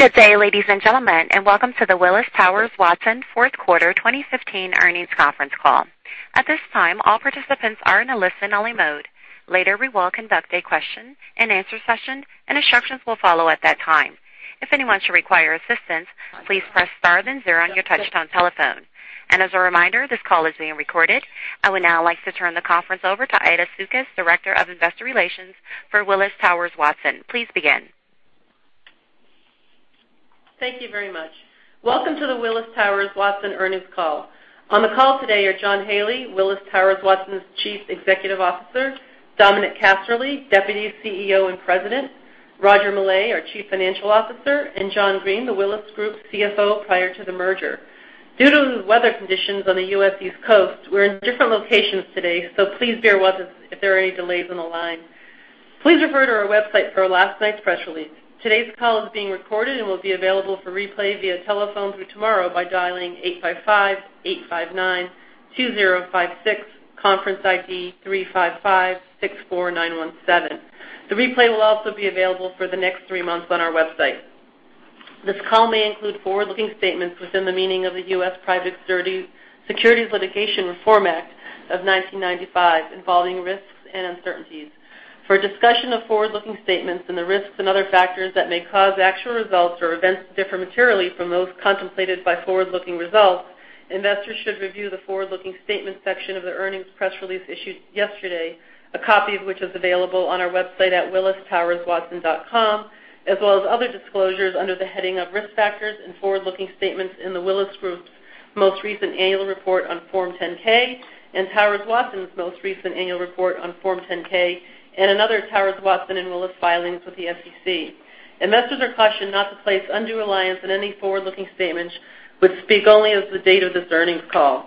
Good day, ladies and gentlemen. Welcome to the Willis Towers Watson fourth quarter 2015 earnings conference call. At this time, all participants are in a listen-only mode. Later, we will conduct a question and answer session, and instructions will follow at that time. If anyone should require assistance, please press star then zero on your touch-tone telephone. As a reminder, this call is being recorded. I would now like to turn the conference over to Aida Sukas, Director of Investor Relations for Willis Towers Watson. Please begin. Thank you very much. Welcome to the Willis Towers Watson earnings call. On the call today are John Haley, Willis Towers Watson's Chief Executive Officer, Dominic Casserley, Deputy CEO and President, Roger Millay, our Chief Financial Officer, and John Green, the Willis Group's CFO prior to the merger. Due to weather conditions on the U.S. East Coast, we're in different locations today. Please bear with us if there are any delays on the line. Please refer to our website for last night's press release. Today's call is being recorded and will be available for replay via telephone through tomorrow by dialing 855-859-2056, conference ID 35564917. The replay will also be available for the next three months on our website. This call may include forward-looking statements within the meaning of the U.S. Private Securities Litigation Reform Act of 1995, involving risks and uncertainties. For a discussion of forward-looking statements and the risks and other factors that may cause actual results or events to differ materially from those contemplated by forward-looking results, investors should review the forward-looking statements section of the earnings press release issued yesterday, a copy of which is available on our website at willistowerswatson.com, as well as other disclosures under the heading of Risk Factors and Forward-Looking Statements in The Willis Group's most recent annual report on Form 10-K and Towers Watson's most recent annual report on Form 10-K and in other Towers Watson and Willis filings with the SEC. Investors are cautioned not to place undue reliance on any forward-looking statements, which speak only as of the date of this earnings call.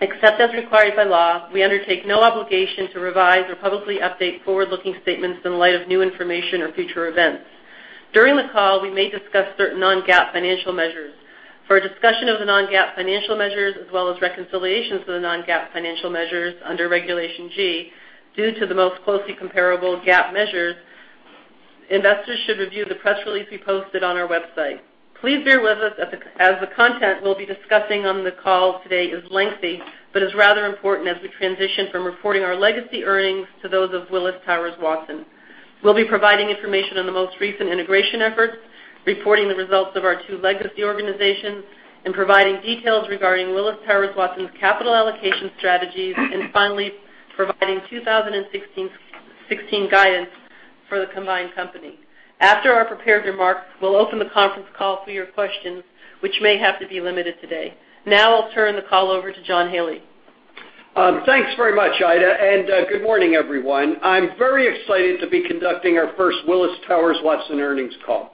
Except as required by law, we undertake no obligation to revise or publicly update forward-looking statements in light of new information or future events. During the call, we may discuss certain non-GAAP financial measures. For a discussion of the non-GAAP financial measures, as well as reconciliations to the non-GAAP financial measures under Regulation G, due to the most closely comparable GAAP measures, investors should review the press release we posted on our website. Please bear with us as the content we'll be discussing on the call today is lengthy but is rather important as we transition from reporting our legacy earnings to those of Willis Towers Watson. We'll be providing information on the most recent integration efforts, reporting the results of our two legacy organizations, and providing details regarding Willis Towers Watson's capital allocation strategies, and finally, providing 2016 guidance for the combined company. After our prepared remarks, we'll open the conference call for your questions, which may have to be limited today. Now I'll turn the call over to John Haley. Thanks very much, Aida, and good morning, everyone. I'm very excited to be conducting our first Willis Towers Watson earnings call.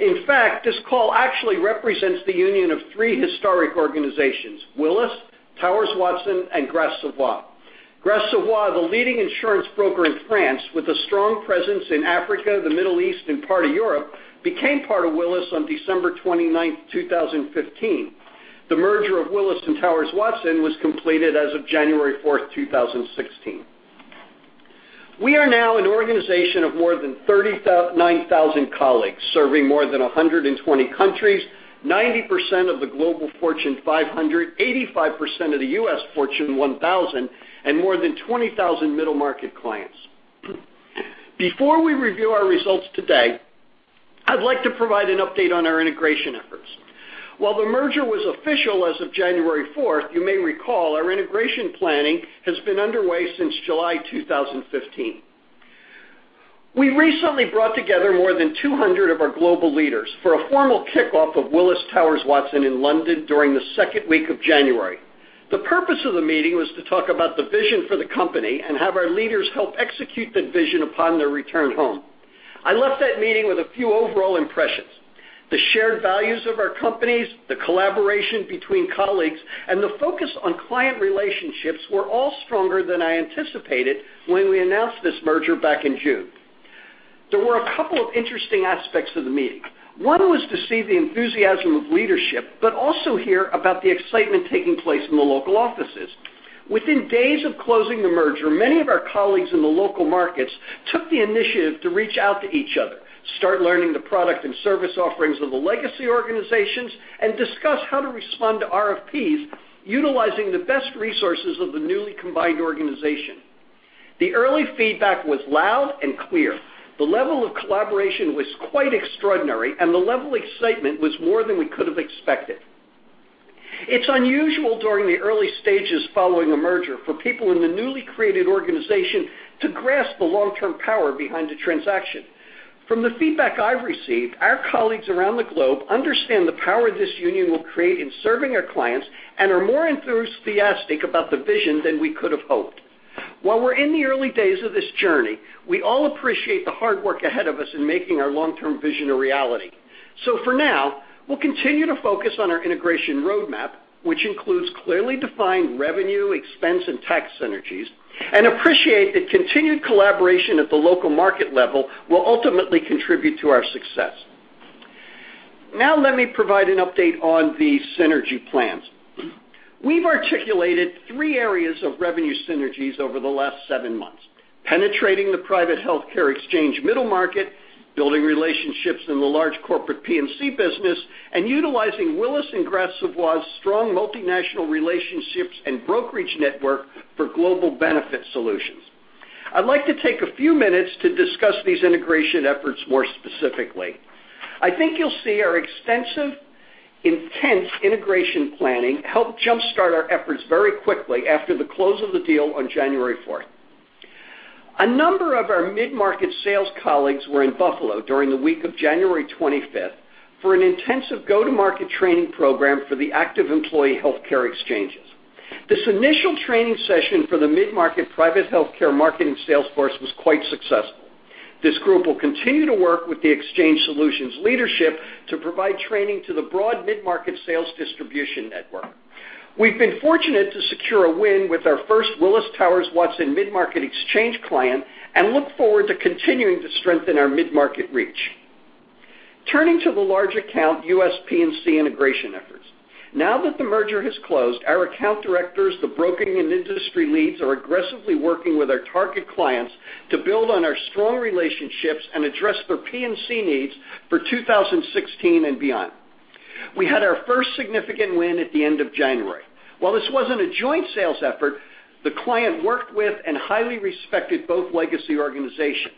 In fact, this call actually represents the union of three historic organizations, Willis, Towers Watson, and Gras Savoye. Gras Savoye, the leading insurance broker in France with a strong presence in Africa, the Middle East, and part of Europe, became part of Willis on December 29th, 2015. The merger of Willis and Towers Watson was completed as of January 4th, 2016. We are now an organization of more than 39,000 colleagues serving more than 120 countries, 90% of the Fortune Global 500, 85% of the U.S. Fortune 1000, and more than 20,000 middle-market clients. Before we review our results today, I'd like to provide an update on our integration efforts. While the merger was official as of January 4th, you may recall our integration planning has been underway since July 2015. We recently brought together more than 200 of our global leaders for a formal kickoff of Willis Towers Watson in London during the second week of January. The purpose of the meeting was to talk about the vision for the company and have our leaders help execute that vision upon their return home. I left that meeting with a few overall impressions. The shared values of our companies, the collaboration between colleagues, and the focus on client relationships were all stronger than I anticipated when we announced this merger back in June. There were a couple of interesting aspects of the meeting. One was to see the enthusiasm of leadership, but also hear about the excitement taking place in the local offices. Within days of closing the merger, many of our colleagues in the local markets took the initiative to reach out to each other, start learning the product and service offerings of the legacy organizations, and discuss how to respond to RFPs, utilizing the best resources of the newly combined organization. The early feedback was loud and clear. The level of collaboration was quite extraordinary, and the level of excitement was more than we could have expected. It's unusual during the early stages following a merger for people in the newly created organization to grasp the long-term power behind a transaction. From the feedback I've received, our colleagues around the globe understand the power this union will create in serving our clients and are more enthusiastic about the vision than we could have hoped. While we're in the early days of this journey, we all appreciate the hard work ahead of us in making our long-term vision a reality. For now, we'll continue to focus on our integration roadmap, which includes clearly defined revenue, expense, and tax synergies, and appreciate that continued collaboration at the local market level will ultimately contribute to our success. Now let me provide an update on the synergy plans. We've articulated three areas of revenue synergies over the last seven months: penetrating the private healthcare exchange middle market, building relationships in the large corporate P&C business, and utilizing Willis and Gras Savoye's strong multinational relationships and brokerage network for global benefit solutions. I'd like to take a few minutes to discuss these integration efforts more specifically. I think you'll see our extensive, intense integration planning help jumpstart our efforts very quickly after the close of the deal on January 4th. A number of our mid-market sales colleagues were in Buffalo during the week of January 25th for an intensive go-to-market training program for the active employee healthcare exchanges. This initial training session for the mid-market private healthcare marketing sales force was quite successful. This group will continue to work with the exchange solutions leadership to provide training to the broad mid-market sales distribution network. We've been fortunate to secure a win with our first Willis Towers Watson mid-market exchange client and look forward to continuing to strengthen our mid-market reach. Turning to the large account U.S. P&C integration efforts. Now that the merger has closed, our account directors, the broking and industry leads, are aggressively working with our target clients to build on our strong relationships and address their P&C needs for 2016 and beyond. We had our first significant win at the end of January. While this wasn't a joint sales effort, the client worked with and highly respected both legacy organizations.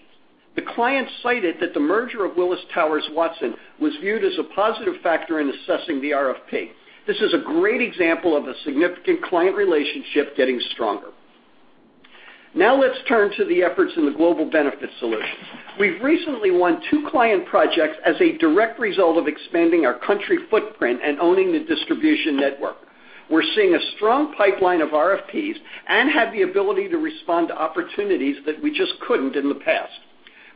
The client cited that the merger of Willis Towers Watson was viewed as a positive factor in assessing the RFP. This is a great example of a significant client relationship getting stronger. Now let's turn to the efforts in the global benefit solutions. We've recently won two client projects as a direct result of expanding our country footprint and owning the distribution network. We're seeing a strong pipeline of RFPs and have the ability to respond to opportunities that we just couldn't in the past.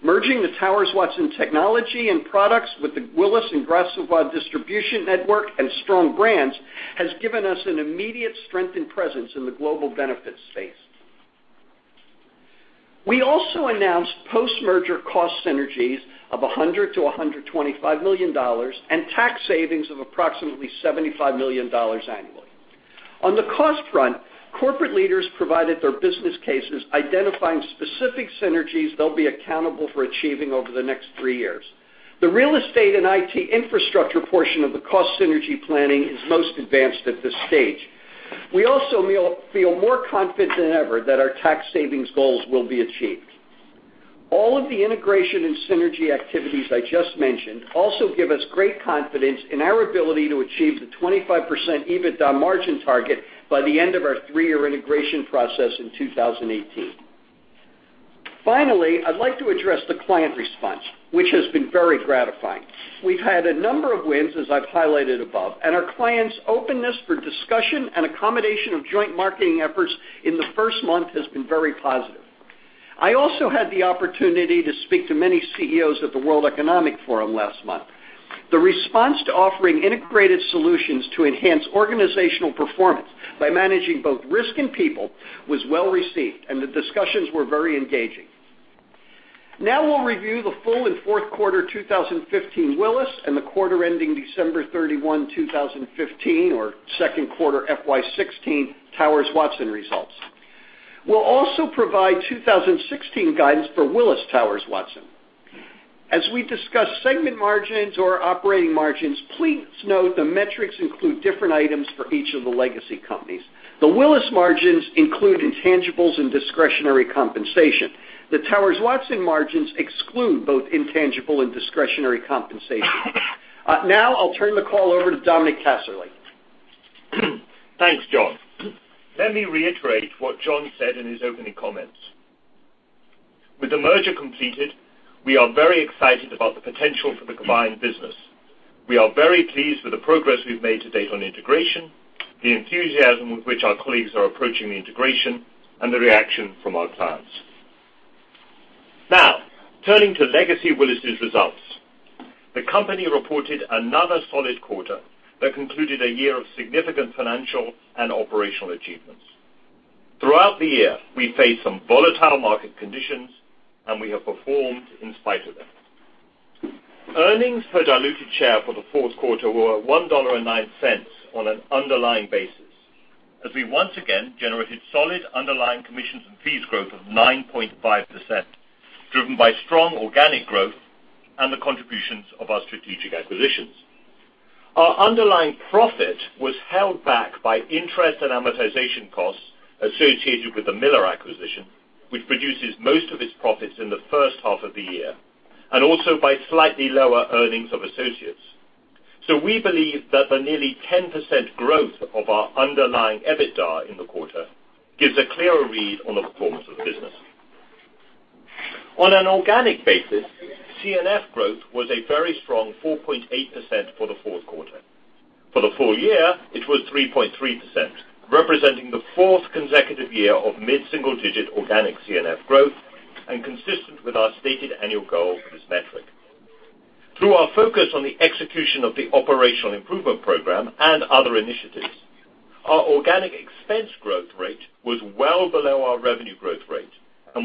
Merging the Towers Watson technology and products with the Willis and Gras Savoye distribution network and strong brands has given us an immediate strength and presence in the global benefits space. We also announced post-merger cost synergies of $100 million-$125 million and tax savings of approximately $75 million annually. On the cost front, corporate leaders provided their business cases identifying specific synergies they'll be accountable for achieving over the next three years. The real estate and IT infrastructure portion of the cost synergy planning is most advanced at this stage. We also feel more confident than ever that our tax savings goals will be achieved. All of the integration and synergy activities I just mentioned also give us great confidence in our ability to achieve the 25% EBITDA margin target by the end of our three-year integration process in 2018. I'd like to address the client response, which has been very gratifying. We've had a number of wins, as I've highlighted above, and our clients' openness for discussion and accommodation of joint marketing efforts in the first month has been very positive. I also had the opportunity to speak to many CEOs at the World Economic Forum last month. The response to offering integrated solutions to enhance organizational performance by managing both risk and people was well received, and the discussions were very engaging. Now we'll review the full and fourth quarter 2015 Willis, and the quarter ending December 31, 2015, or second quarter FY 2016, Towers Watson results. We'll also provide 2016 guidance for Willis Towers Watson. As we discuss segment margins or operating margins, please note the metrics include different items for each of the legacy companies. The Willis margins include intangibles and discretionary compensation. The Towers Watson margins exclude both intangible and discretionary compensation. I'll turn the call over to Dominic Casserley. Thanks, John. Let me reiterate what John said in his opening comments. With the merger completed, we are very excited about the potential for the combined business. We are very pleased with the progress we've made to date on integration, the enthusiasm with which our colleagues are approaching the integration, and the reaction from our clients. Turning to legacy Willis' results. The company reported another solid quarter that concluded a year of significant financial and operational achievements. Throughout the year, we faced some volatile market conditions, and we have performed in spite of them. Earnings per diluted share for the fourth quarter were $1.09 on an underlying basis, as we once again generated solid underlying commissions and fees growth of 9.5%, driven by strong organic growth and the contributions of our strategic acquisitions. Our underlying profit was held back by interest and amortization costs associated with the Miller acquisition, which produces most of its profits in the first half of the year, and also by slightly lower earnings of associates. We believe that the nearly 10% growth of our underlying EBITDA in the quarter gives a clearer read on the performance of the business. On an organic basis, C&F growth was a very strong 4.8% for the fourth quarter. For the full year, it was 3.3%, representing the fourth consecutive year of mid-single-digit organic C&F growth and consistent with our stated annual goal for this metric. Through our focus on the execution of the operational improvement program and other initiatives, our organic expense growth rate was well below our revenue growth rate.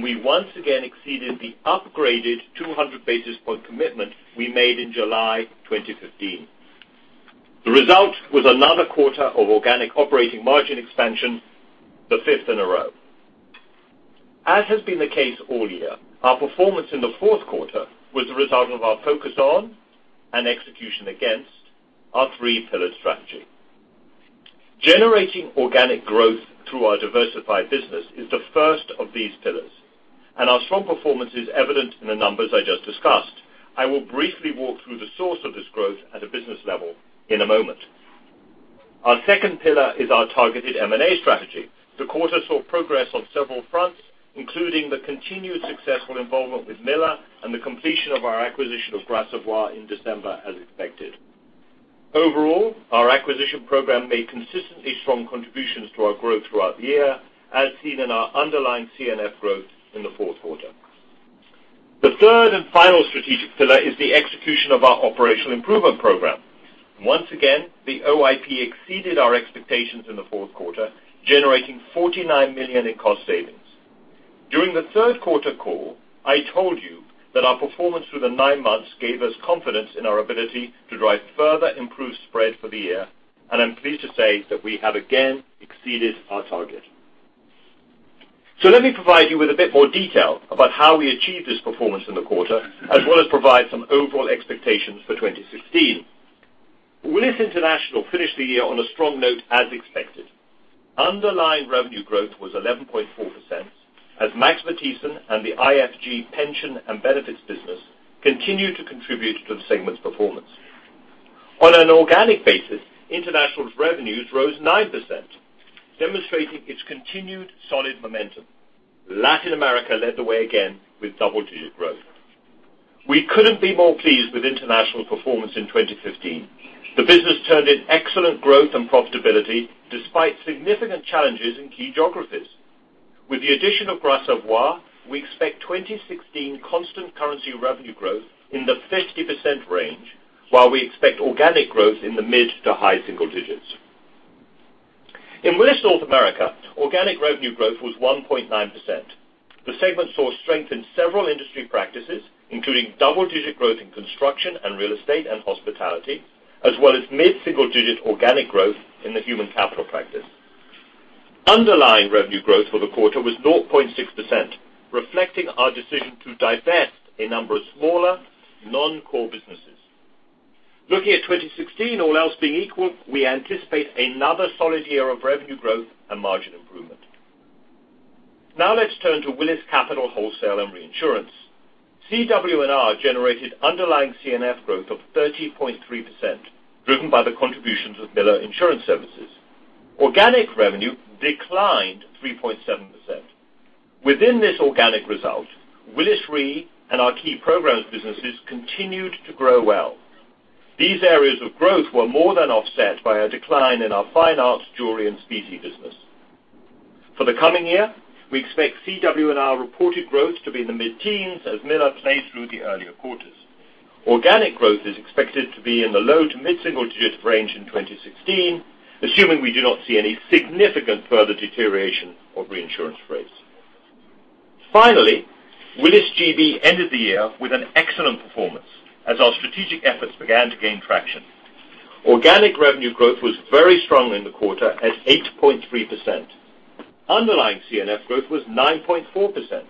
We once again exceeded the upgraded 200 basis point commitment we made in July 2015. The result was another quarter of organic operating margin expansion, the fifth in a row. As has been the case all year, our performance in the fourth quarter was the result of our focus on, and execution against, our three-pillar strategy. Generating organic growth through our diversified business is the first of these pillars, and our strong performance is evident in the numbers I just discussed. I will briefly walk through the source of this growth at a business level in a moment. Our second pillar is our targeted M&A strategy. The quarter saw progress on several fronts, including the continued successful involvement with Miller and the completion of our acquisition of Gras Savoye in December as expected. Overall, our acquisition program made consistently strong contributions to our growth throughout the year, as seen in our underlying C&F growth in the fourth quarter. The third and final strategic pillar is the execution of our operational improvement program. Once again, the OIP exceeded our expectations in the fourth quarter, generating $49 million in cost savings. During the third quarter call, I told you that our performance through the 9 months gave us confidence in our ability to drive further improved spread for the year, I'm pleased to say that we have again exceeded our target. Let me provide you with a bit more detail about how we achieved this performance in the quarter, as well as provide some overall expectations for 2016. Willis International finished the year on a strong note, as expected. Underlying revenue growth was 11.4%, as Max Matthiessen and the IFG pension and benefits business continued to contribute to the segment's performance. On an organic basis, International's revenues rose 9%, demonstrating its continued solid momentum. Latin America led the way again with double-digit growth. We couldn't be more pleased with International performance in 2015. The business turned in excellent growth and profitability, despite significant challenges in key geographies. With the addition of Gras Savoye, we expect 2016 constant currency revenue growth in the 50% range, while we expect organic growth in the mid to high single digits. In Willis North America, organic revenue growth was 1.9%. The segment saw strength in several industry practices, including double-digit growth in construction and real estate and hospitality, as well as mid-single digit organic growth in the human capital practice. Underlying revenue growth for the quarter was 0.6%, reflecting our decision to divest a number of smaller, non-core businesses. Looking at 2016, all else being equal, we anticipate another solid year of revenue growth and margin improvement. Let's turn to Willis Capital, Wholesale and Reinsurance. CW&R generated underlying C&F growth of 30.3%, driven by the contributions of Miller Insurance Services. Organic revenue declined 3.7%. Within this organic result, Willis Re and our key programs businesses continued to grow well. These areas of growth were more than offset by a decline in our fine arts, jewelry, and species business. For the coming year, we expect CW&R reported growth to be in the mid-teens as Miller plays through the earlier quarters. Organic growth is expected to be in the low to mid-single digits range in 2016, assuming we do not see any significant further deterioration of reinsurance rates. Finally, Willis GB ended the year with an excellent performance as our strategic efforts began to gain traction. Organic revenue growth was very strong in the quarter at 8.3%. Underlying C&F growth was 9.4%.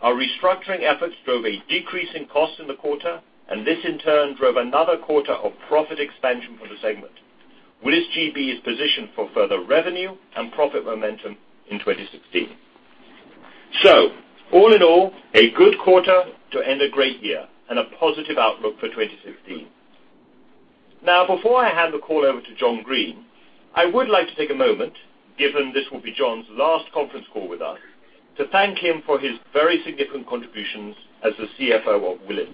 Our restructuring efforts drove a decrease in cost in the quarter, this in turn drove another quarter of profit expansion for the segment. Willis GB is positioned for further revenue and profit momentum in 2016. All in all, a good quarter to end a great year and a positive outlook for 2016. Before I hand the call over to John Green, I would like to take a moment, given this will be John's last conference call with us, to thank him for his very significant contributions as the CFO of Willis.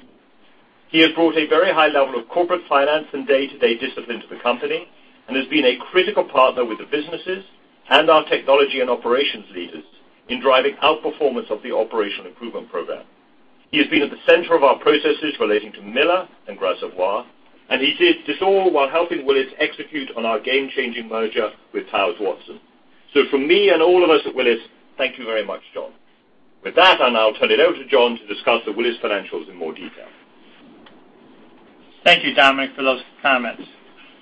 He has brought a very high level of corporate finance and day-to-day discipline to the company and has been a critical partner with the businesses and our technology and operations leaders in driving outperformance of the operational improvement program. He has been at the center of our processes relating to Miller and Gras Savoye, he did this all while helping Willis execute on our game-changing merger with Towers Watson. From me and all of us at Willis, thank you very much, John. With that, I'll now turn it over to John to discuss the Willis financials in more detail. Thank you, Dominic, for those comments.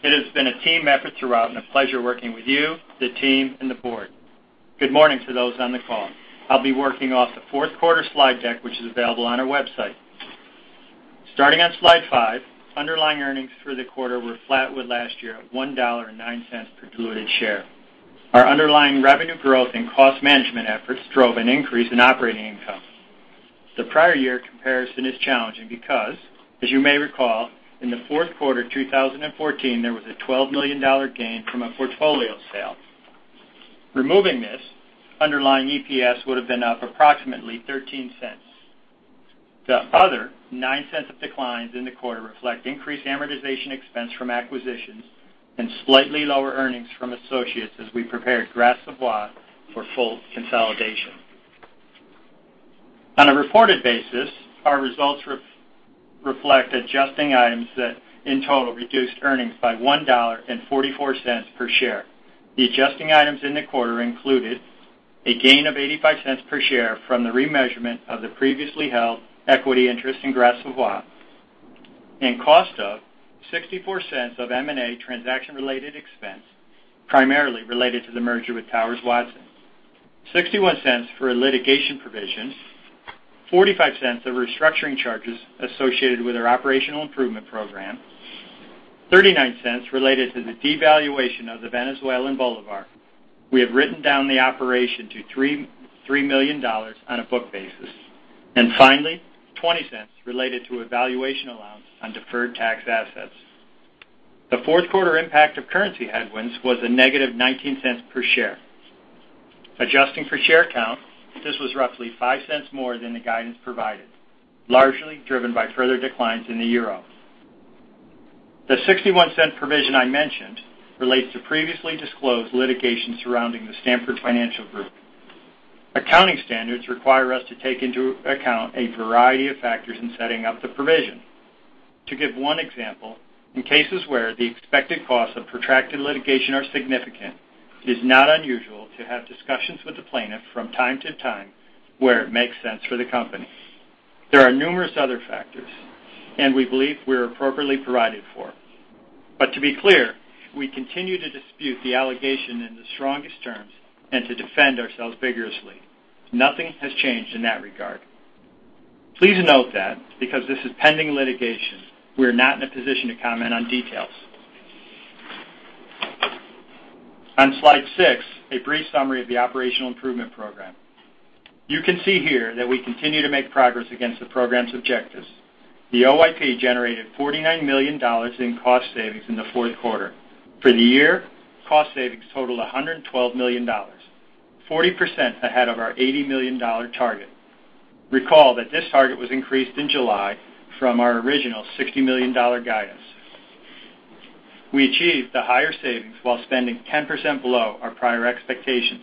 It has been a team effort throughout and a pleasure working with you, the team, and the board. Good morning to those on the call. I'll be working off the fourth quarter slide deck, which is available on our website. Starting on slide five, underlying earnings for the quarter were flat with last year at $1.09 per diluted share. Our underlying revenue growth and cost management efforts drove an increase in operating income. The prior year comparison is challenging because, as you may recall, in the fourth quarter 2014, there was a $12 million gain from a portfolio sale. Removing this, underlying EPS would have been up approximately $0.13. The other $0.09 of declines in the quarter reflect increased amortization expense from acquisitions and slightly lower earnings from associates as we prepared Gras Savoye for full consolidation. On a reported basis, our results reflect adjusting items that in total reduced earnings by $1.44 per share. The adjusting items in the quarter included a gain of $0.85 per share from the remeasurement of the previously held equity interest in Gras Savoye and cost of $0.64 of M&A transaction related expense, primarily related to the merger with Towers Watson, $0.61 for a litigation provision, $0.45 of restructuring charges associated with our operational improvement program, $0.39 related to the devaluation of the Venezuelan bolivar. We have written down the operation to $3 million on a book basis. Finally, $0.20 related to a valuation allowance on deferred tax assets. The fourth quarter impact of currency headwinds was a negative $0.19 per share. Adjusting for share count, this was roughly $0.05 more than the guidance provided, largely driven by further declines in the euro. The $0.61 provision I mentioned relates to previously disclosed litigation surrounding the Stanford Financial Group. Accounting standards require us to take into account a variety of factors in setting up the provision. To give one example, in cases where the expected costs of protracted litigation are significant, it is not unusual to have discussions with the plaintiff from time to time where it makes sense for the company. There are numerous other factors, we believe we're appropriately provided for. To be clear, we continue to dispute the allegation in the strongest terms and to defend ourselves vigorously. Nothing has changed in that regard. Please note that because this is pending litigation, we are not in a position to comment on details. On slide six, a brief summary of the operational improvement program. You can see here that we continue to make progress against the program's objectives. The OIP generated $49 million in cost savings in the fourth quarter. For the year, cost savings totaled $112 million, 40% ahead of our $80 million target. Recall that this target was increased in July from our original $60 million guidance. We achieved the higher savings while spending 10% below our prior expectations.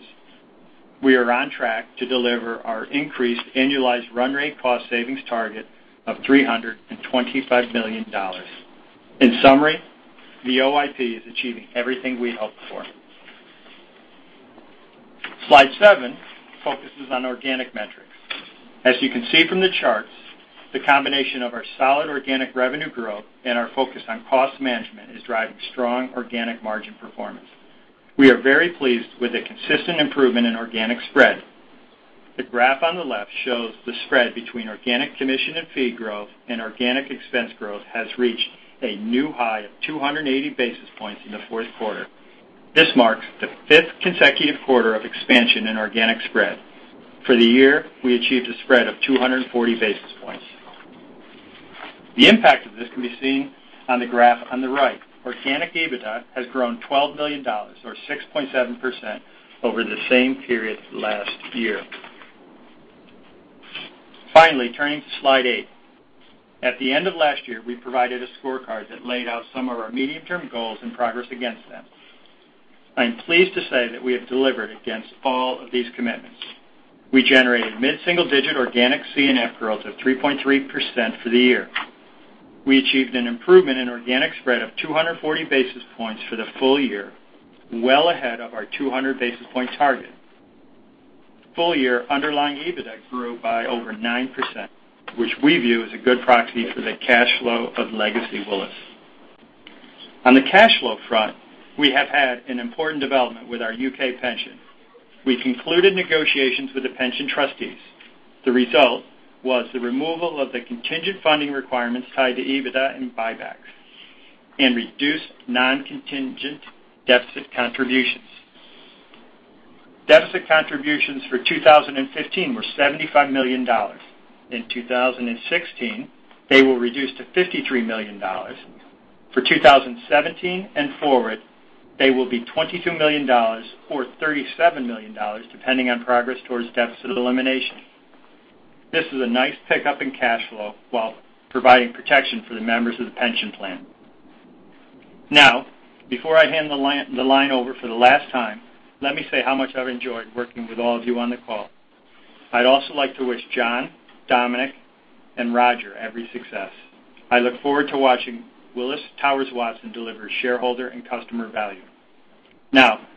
We are on track to deliver our increased annualized run rate cost savings target of $325 million. In summary, the OIP is achieving everything we hoped for. Slide seven focuses on organic metrics. As you can see from the charts, the combination of our solid organic revenue growth and our focus on cost management is driving strong organic margin performance. We are very pleased with the consistent improvement in organic spread. The graph on the left shows the spread between organic C&F growth, and organic expense growth has reached a new high of 280 basis points in the fourth quarter. This marks the fifth consecutive quarter of expansion in organic spread. For the year, we achieved a spread of 240 basis points. The impact of this can be seen on the graph on the right. Organic EBITDA has grown $12 million, or 6.7%, over the same period last year. Finally, turning to slide eight. At the end of last year, we provided a scorecard that laid out some of our medium-term goals and progress against them. I am pleased to say that we have delivered against all of these commitments. We generated mid-single-digit organic C&F growth of 3.3% for the year. We achieved an improvement in organic spread of 240 basis points for the full year, well ahead of our 200 basis point target. Full year underlying EBITDA grew by over 9%, which we view as a good proxy for the cash flow of legacy Willis. On the cash flow front, we have had an important development with our U.K. pension. We concluded negotiations with the pension trustees. The result was the removal of the contingent funding requirements tied to EBITDA and buybacks and reduced non-contingent deficit contributions. Deficit contributions for 2015 were $75 million. In 2016, they will reduce to $53 million. For 2017 and forward, they will be $22 million or $37 million, depending on progress towards deficit elimination. This is a nice pickup in cash flow while providing protection for the members of the pension plan. Before I hand the line over for the last time, let me say how much I've enjoyed working with all of you on the call. I'd also like to wish John, Dominic, and Roger every success. I look forward to watching Willis Towers Watson deliver shareholder and customer value.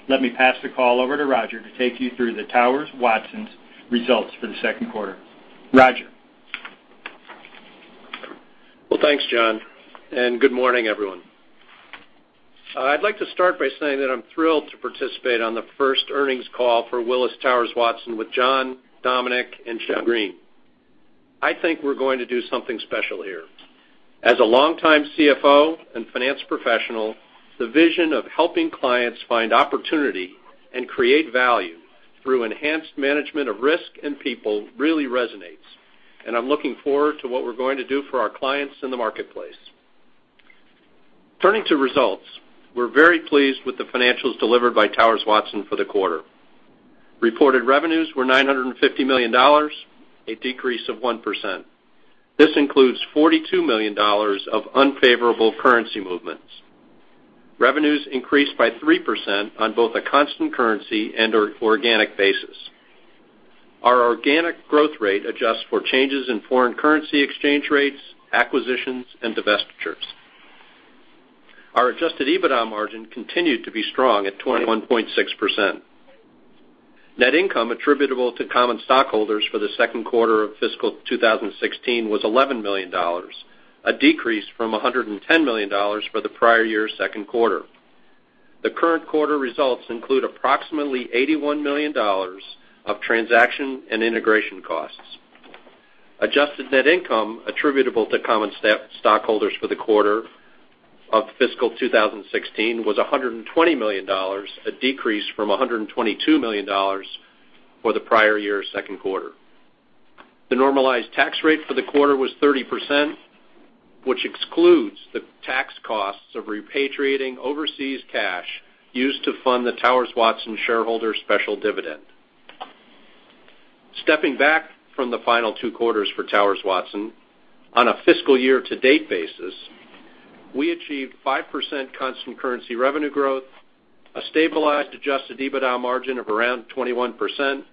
Let me pass the call over to Roger to take you through the Towers Watson's results for the second quarter. Roger. Thanks, John, and good morning, everyone. I'd like to start by saying that I'm thrilled to participate on the first earnings call for Willis Towers Watson with John, Dominic, and John Green. I think we're going to do something special here. As a longtime CFO and finance professional, the vision of helping clients find opportunity and create value through enhanced management of risk and people really resonates, and I'm looking forward to what we're going to do for our clients in the marketplace. Turning to results, we're very pleased with the financials delivered by Towers Watson for the quarter. Reported revenues were $950 million, a decrease of 1%. This includes $42 million of unfavorable currency movements. Revenues increased by 3% on both a constant currency and our organic basis. Our organic growth rate adjusts for changes in foreign currency exchange rates, acquisitions, and divestitures. Our adjusted EBITDA margin continued to be strong at 21.6%. Net income attributable to common stockholders for the second quarter of fiscal 2016 was $11 million, a decrease from $110 million for the prior year's second quarter. The current quarter results include approximately $81 million of transaction and integration costs. Adjusted net income attributable to common stockholders for the quarter of fiscal 2016 was $120 million, a decrease from $122 million for the prior year's second quarter. The normalized tax rate for the quarter was 30%, which excludes the tax costs of repatriating overseas cash used to fund the Towers Watson shareholder special dividend. Stepping back from the final two quarters for Towers Watson, on a fiscal year-to-date basis, we achieved 5% constant currency revenue growth, a stabilized adjusted EBITDA margin of around 21%,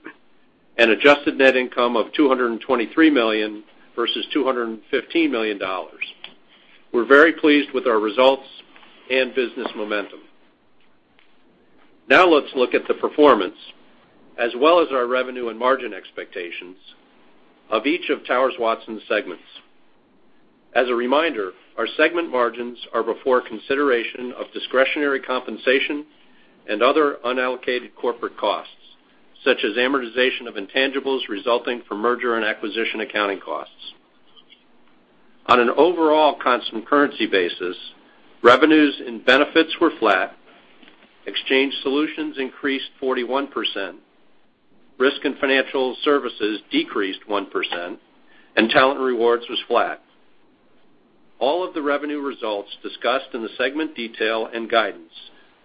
and adjusted net income of $223 million versus $215 million. We're very pleased with our results and business momentum. Let's look at the performance as well as our revenue and margin expectations of each of Towers Watson's segments. As a reminder, our segment margins are before consideration of discretionary compensation and other unallocated corporate costs, such as amortization of intangibles resulting from merger and acquisition accounting costs. On an overall constant currency basis, revenues and benefits were flat, exchange solutions increased 41%, risk and financial services decreased 1%, and talent rewards was flat. All of the revenue results discussed in the segment detail and guidance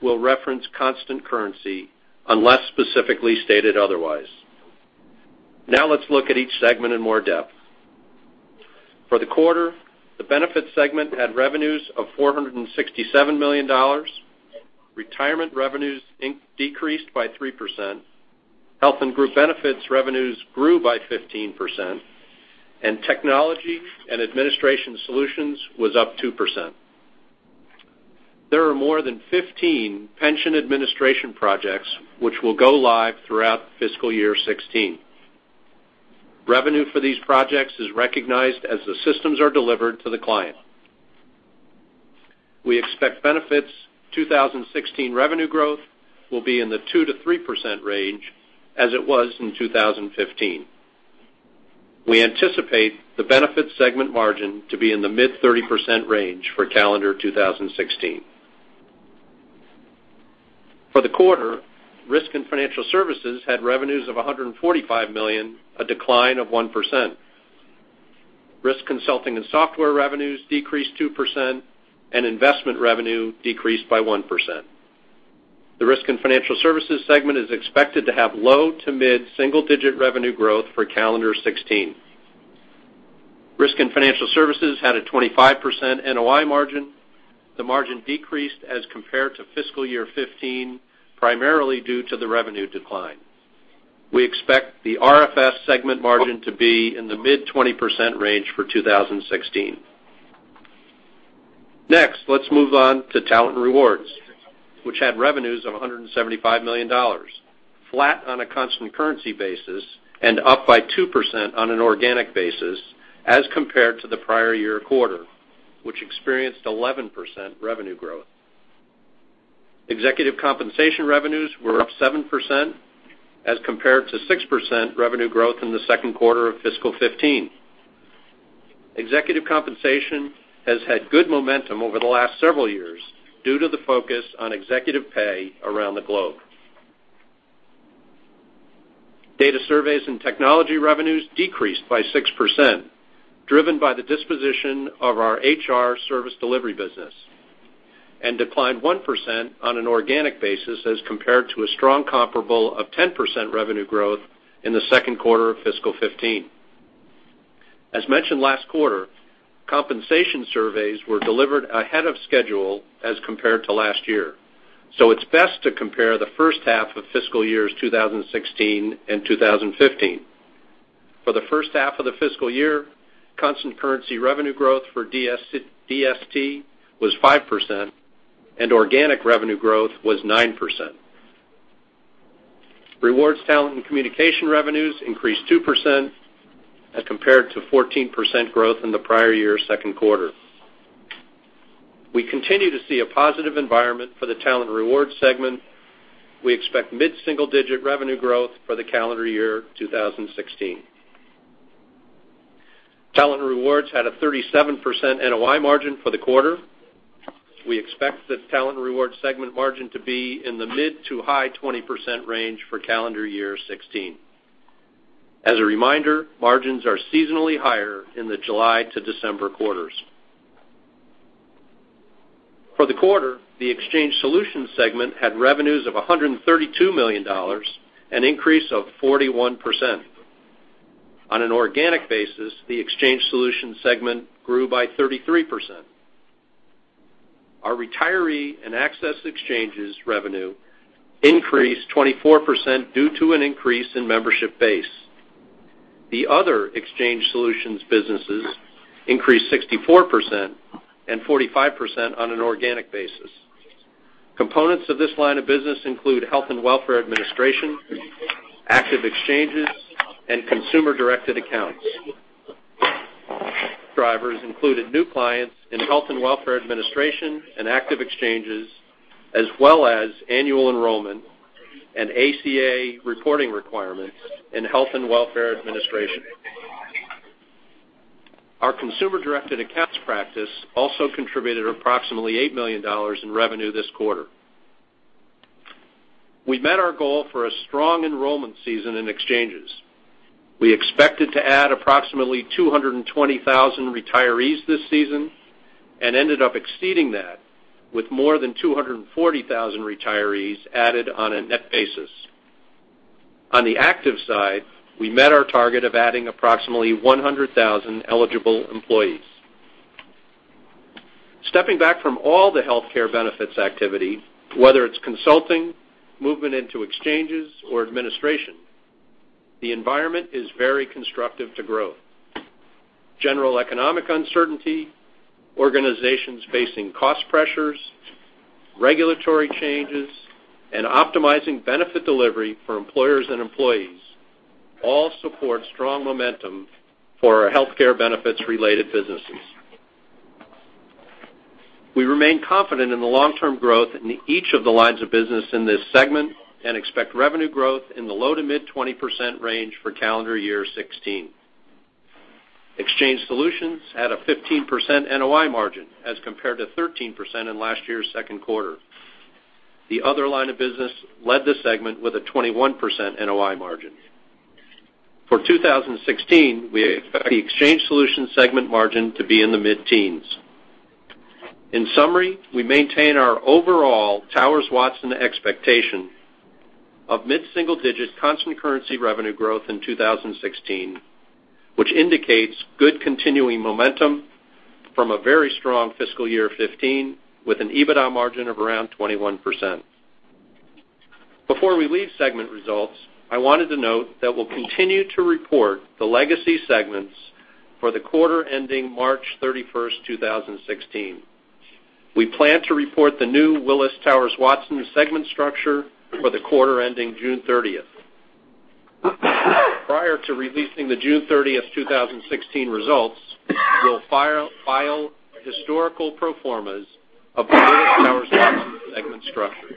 will reference constant currency unless specifically stated otherwise. Let's look at each segment in more depth. For the quarter, the benefits segment had revenues of $467 million. Retirement revenues decreased by 3%, health and group benefits revenues grew by 15%, and technology and administration solutions was up 2%. There are more than 15 pension administration projects which will go live throughout fiscal year 2016. Revenue for these projects is recognized as the systems are delivered to the client. We expect benefits' 2016 revenue growth will be in the 2%-3% range as it was in 2015. We anticipate the benefits segment margin to be in the mid-30% range for calendar 2016. For the quarter, risk and financial services had revenues of $145 million, a decline of 1%. Risk consulting and software revenues decreased 2%, and investment revenue decreased by 1%. The risk and financial services segment is expected to have low to mid-single digit revenue growth for calendar 2016. Risk and financial services had a 25% NOI margin. The margin decreased as compared to fiscal year 2015, primarily due to the revenue decline. We expect the RFS segment margin to be in the mid-20% range for 2016. Let's move on to talent rewards, which had revenues of $175 million, flat on a constant currency basis and up by 2% on an organic basis as compared to the prior year quarter, which experienced 11% revenue growth. Executive compensation revenues were up 7% as compared to 6% revenue growth in the second quarter of fiscal 2015. Executive compensation has had good momentum over the last several years due to the focus on executive pay around the globe. Data surveys and technology revenues decreased by 6%, driven by the disposition of our HR service delivery business and declined 1% on an organic basis as compared to a strong comparable of 10% revenue growth in the second quarter of fiscal 2015. As mentioned last quarter, compensation surveys were delivered ahead of schedule as compared to last year. It's best to compare the first half of fiscal years 2016 and 2015. For the first half of the fiscal year, constant currency revenue growth for DST was 5%, and organic revenue growth was 9%. Rewards talent and communication revenues increased 2% as compared to 14% growth in the prior year's second quarter. We continue to see a positive environment for the talent reward segment. We expect mid-single-digit revenue growth for the calendar year 2016. Talent rewards had a 37% NOI margin for the quarter. We expect the talent reward segment margin to be in the mid to high 20% range for calendar year 2016. As a reminder, margins are seasonally higher in the July to December quarters. For the quarter, the exchange solutions segment had revenues of $132 million, an increase of 41%. On an organic basis, the exchange solutions segment grew by 33%. Our retiree and access exchanges revenue increased 24% due to an increase in membership base. The other exchange solutions businesses increased 64% and 45% on an organic basis. Components of this line of business include health and welfare administration, active exchanges, and consumer-directed accounts. Drivers included new clients in health and welfare administration and active exchanges, as well as annual enrollment and ACA reporting requirements in health and welfare administration. Our consumer-directed accounts practice also contributed approximately $8 million in revenue this quarter. We met our goal for a strong enrollment season in exchanges. We expected to add approximately 220,000 retirees this season, and ended up exceeding that with more than 240,000 retirees added on a net basis. On the active side, we met our target of adding approximately 100,000 eligible employees. Stepping back from all the healthcare benefits activity, whether it's consulting, movement into exchanges, or administration, the environment is very constructive to growth. General economic uncertainty, organizations facing cost pressures, regulatory changes, and optimizing benefit delivery for employers and employees all support strong momentum for our healthcare benefits-related businesses. We remain confident in the long-term growth in each of the lines of business in this segment, and expect revenue growth in the low to mid 20% range for calendar year 2016. Exchange solutions had a 15% NOI margin as compared to 13% in last year's second quarter. The other line of business led the segment with a 21% NOI margin. For 2016, we expect the exchange solutions segment margin to be in the mid-teens. In summary, we maintain our overall Towers Watson expectation of mid-single-digit constant currency revenue growth in 2016, which indicates good continuing momentum from a very strong fiscal year 2015, with an EBITDA margin of around 21%. Before we leave segment results, I wanted to note that we will continue to report the legacy segments for the quarter ending March 31, 2016. We plan to report the new Willis Towers Watson segment structure for the quarter ending June 30. Prior to releasing the June 30, 2016 results, we will file historical pro formas of the Willis Towers Watson segment structure.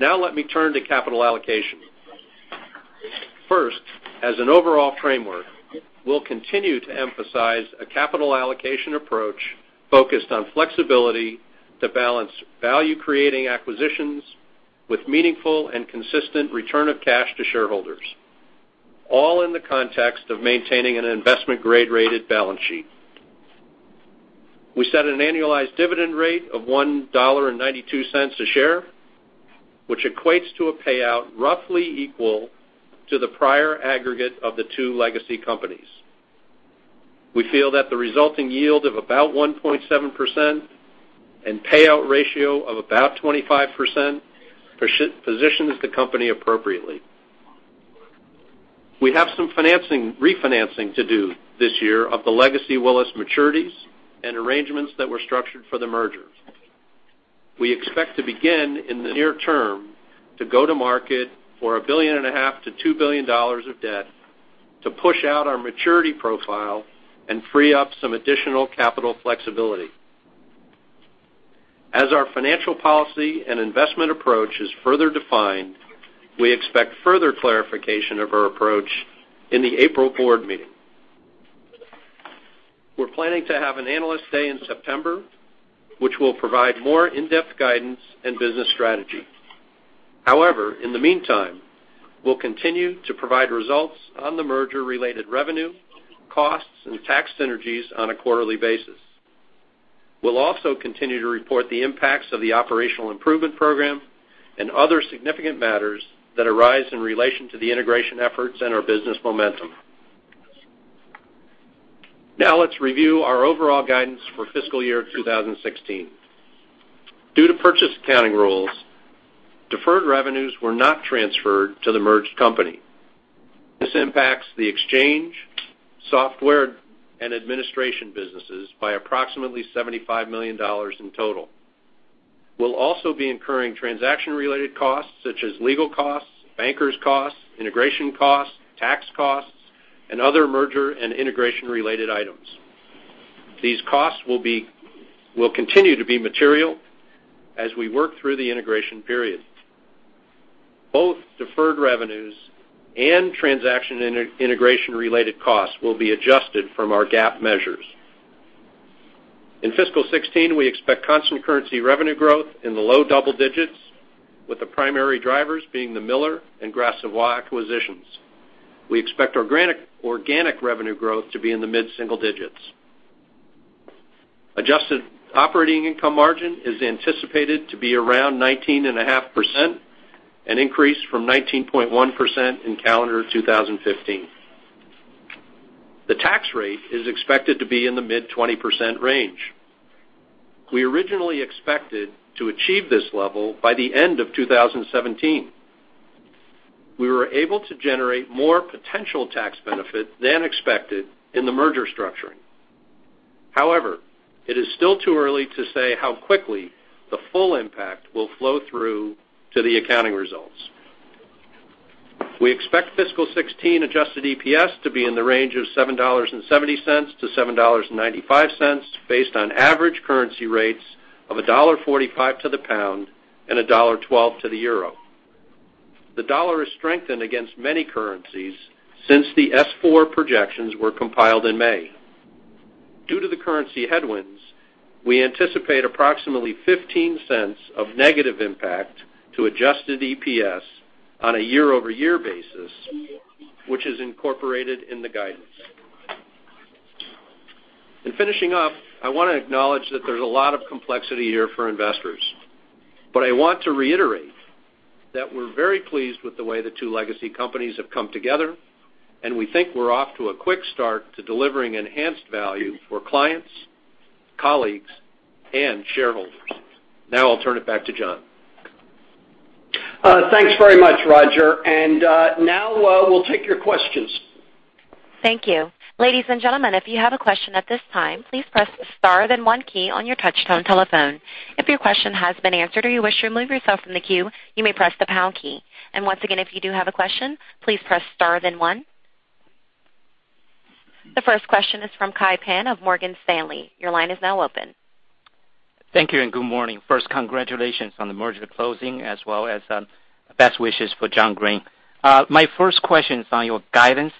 Let me turn to capital allocation. First, as an overall framework, we will continue to emphasize a capital allocation approach focused on flexibility to balance value-creating acquisitions with meaningful and consistent return of cash to shareholders, all in the context of maintaining an investment grade rated balance sheet. We set an annualized dividend rate of $1.92 a share, which equates to a payout roughly equal to the prior aggregate of the two legacy companies. We feel that the resulting yield of about 1.7% and payout ratio of about 25% positions the company appropriately. We have some refinancing to do this year of the legacy Willis maturities and arrangements that were structured for the merger. We expect to begin in the near term to go to market for $1.5 billion-$2 billion of debt to push out our maturity profile and free up some additional capital flexibility. As our financial policy and investment approach is further defined, we expect further clarification of our approach in the April board meeting. We're planning to have an analyst day in September, which will provide more in-depth guidance and business strategy. In the meantime, we'll continue to provide results on the merger-related revenue, costs, and tax synergies on a quarterly basis. We'll also continue to report the impacts of the operational improvement program and other significant matters that arise in relation to the integration efforts and our business momentum. Let's review our overall guidance for fiscal year 2016. Due to purchase accounting rules, deferred revenues were not transferred to the merged company. This impacts the exchange, software, and administration businesses by approximately $75 million in total. We'll also be incurring transaction-related costs such as legal costs, bankers costs, integration costs, tax costs, and other merger and integration related items. These costs will continue to be material as we work through the integration period. Both deferred revenues and transaction integration related costs will be adjusted from our GAAP measures. In fiscal 2016, we expect constant currency revenue growth in the low-double-digits, with the primary drivers being the Miller and Gras Savoye acquisitions. We expect our organic revenue growth to be in the mid-single-digits. Adjusted operating income margin is anticipated to be around 19.5%, an increase from 19.1% in calendar 2015. The tax rate is expected to be in the mid-20% range. We originally expected to achieve this level by the end of 2017. We were able to generate more potential tax benefit than expected in the merger structuring. It is still too early to say how quickly the full impact will flow through to the accounting results. We expect fiscal 2016 adjusted EPS to be in the range of $7.70-$7.95, based on average currency rates of $1.45 to the pound and $1.12 to the euro. The dollar has strengthened against many currencies since the S-4 projections were compiled in May. Due to the currency headwinds, we anticipate approximately $0.15 of negative impact to adjusted EPS on a year-over-year basis, which is incorporated in the guidance. In finishing up, I want to acknowledge that there's a lot of complexity here for investors, but I want to reiterate that we're very pleased with the way the two legacy companies have come together, and we think we're off to a quick start to delivering enhanced value for clients, colleagues, and shareholders. I'll turn it back to John. Thanks very much, Roger. Now, we'll take your questions. Thank you. Ladies and gentlemen, if you have a question at this time, please press star then one key on your touchtone telephone. If your question has been answered or you wish to remove yourself from the queue, you may press the pound key. Once again, if you do have a question, please press star then one. The first question is from Kai Pan of Morgan Stanley. Your line is now open. Thank you and good morning. First, congratulations on the merger closing as well as best wishes for John Green. My first question is on your guidance.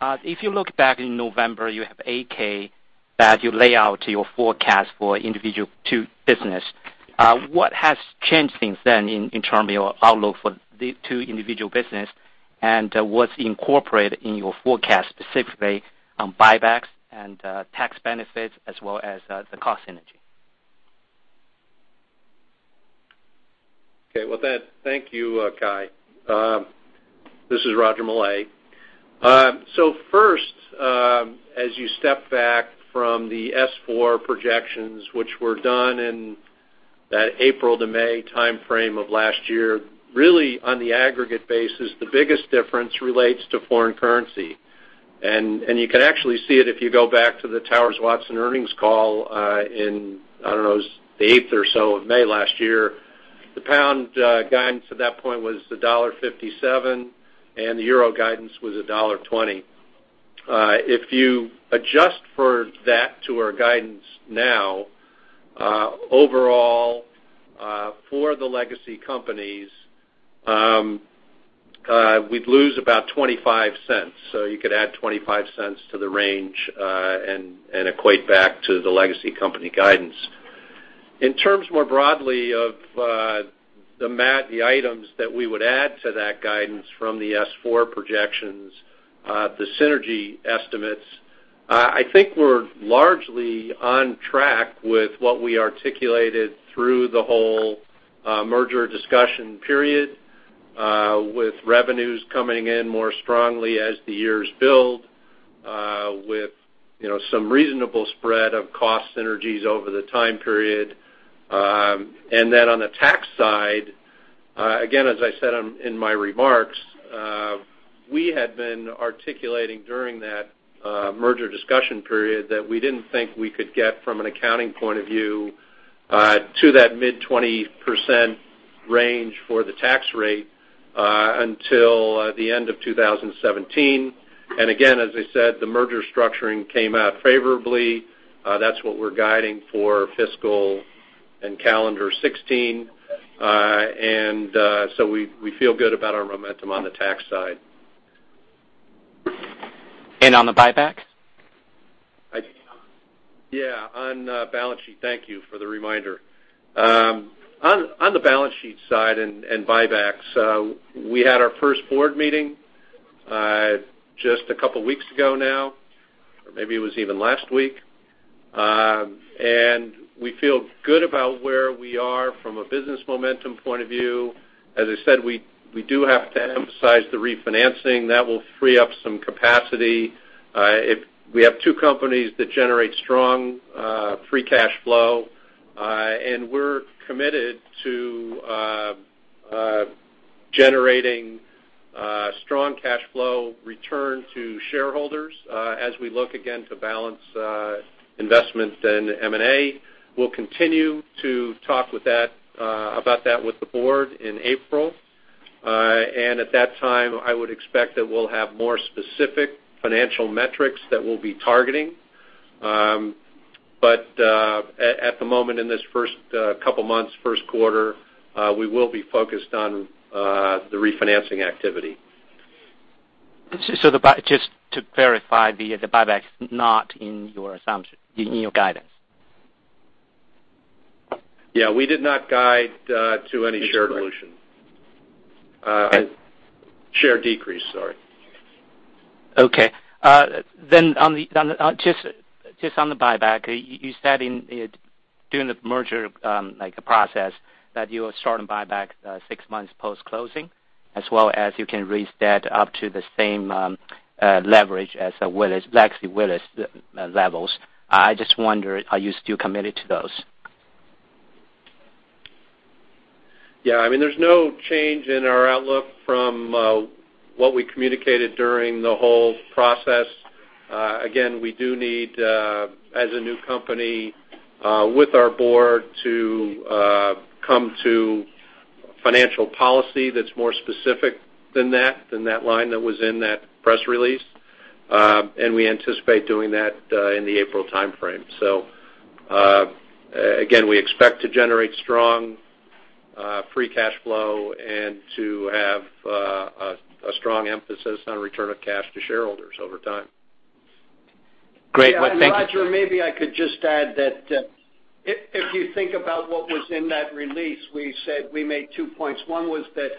If you look back in November, you have 8-K that you lay out your forecast for individual 2 business. What has changed since then in terms of your outlook for the 2 individual business and what's incorporated in your forecast, specifically on buybacks and tax benefits as well as the cost synergy? Thank you, Kai. This is Roger Millay. First, as you step back from the S-4 projections, which were done in that April to May timeframe of last year, really on the aggregate basis, the biggest difference relates to foreign currency. You can actually see it if you go back to the Towers Watson earnings call in, I don't know, the eighth or so of May last year. The pound guidance at that point was $1.57, and the euro guidance was $1.20. If you adjust for that to our guidance now, overall, for the legacy companies, we'd lose about $0.25. You could add $0.25 to the range and equate back to the legacy company guidance. In terms more broadly of the items that we would add to that guidance from the S-4 projections, the synergy estimates, I think we're largely on track with what we articulated through the whole merger discussion period with revenues coming in more strongly as the years build with some reasonable spread of cost synergies over the time period. On the tax side, again, as I said in my remarks, we had been articulating during that merger discussion period that we didn't think we could get from an accounting point of view to that mid 20% range for the tax rate until the end of 2017. Again, as I said, the merger structuring came out favorably. That's what we're guiding for fiscal and calendar 2016. We feel good about our momentum on the tax side. On the buyback? Thank you for the reminder. On the balance sheet side and buybacks, we had our first board meeting just a couple of weeks ago now, or maybe it was even last week. We feel good about where we are from a business momentum point of view. As I said, we do have to emphasize the refinancing. That will free up some capacity. We have two companies that generate strong free cash flow, and we're committed to generating strong cash flow return to shareholders as we look again to balance investments in M&A. We'll continue to talk about that with the board in April. At that time, I would expect that we'll have more specific financial metrics that we'll be targeting. At the moment, in this first couple of months, first quarter, we will be focused on the refinancing activity. just to clarify, the buyback is not in your assumption, in your guidance? We did not guide to any share dilution. That's correct. Share decrease, sorry. Okay. Just on the buyback, you said during the merger process that you will start a buyback six months post-closing, as well as you can restate up to the same leverage as the legacy Willis levels. I just wonder, are you still committed to those? Yeah. There's no change in our outlook from what we communicated during the whole process. Again, we do need, as a new company, with our board, to come to financial policy that's more specific than that line that was in that press release. We anticipate doing that in the April timeframe. Again, we expect to generate strong free cash flow and to have a strong emphasis on return of cash to shareholders over time. Great. Well, thank you. Roger, maybe I could just add that if you think about what was in that release, we said we made two points. One was that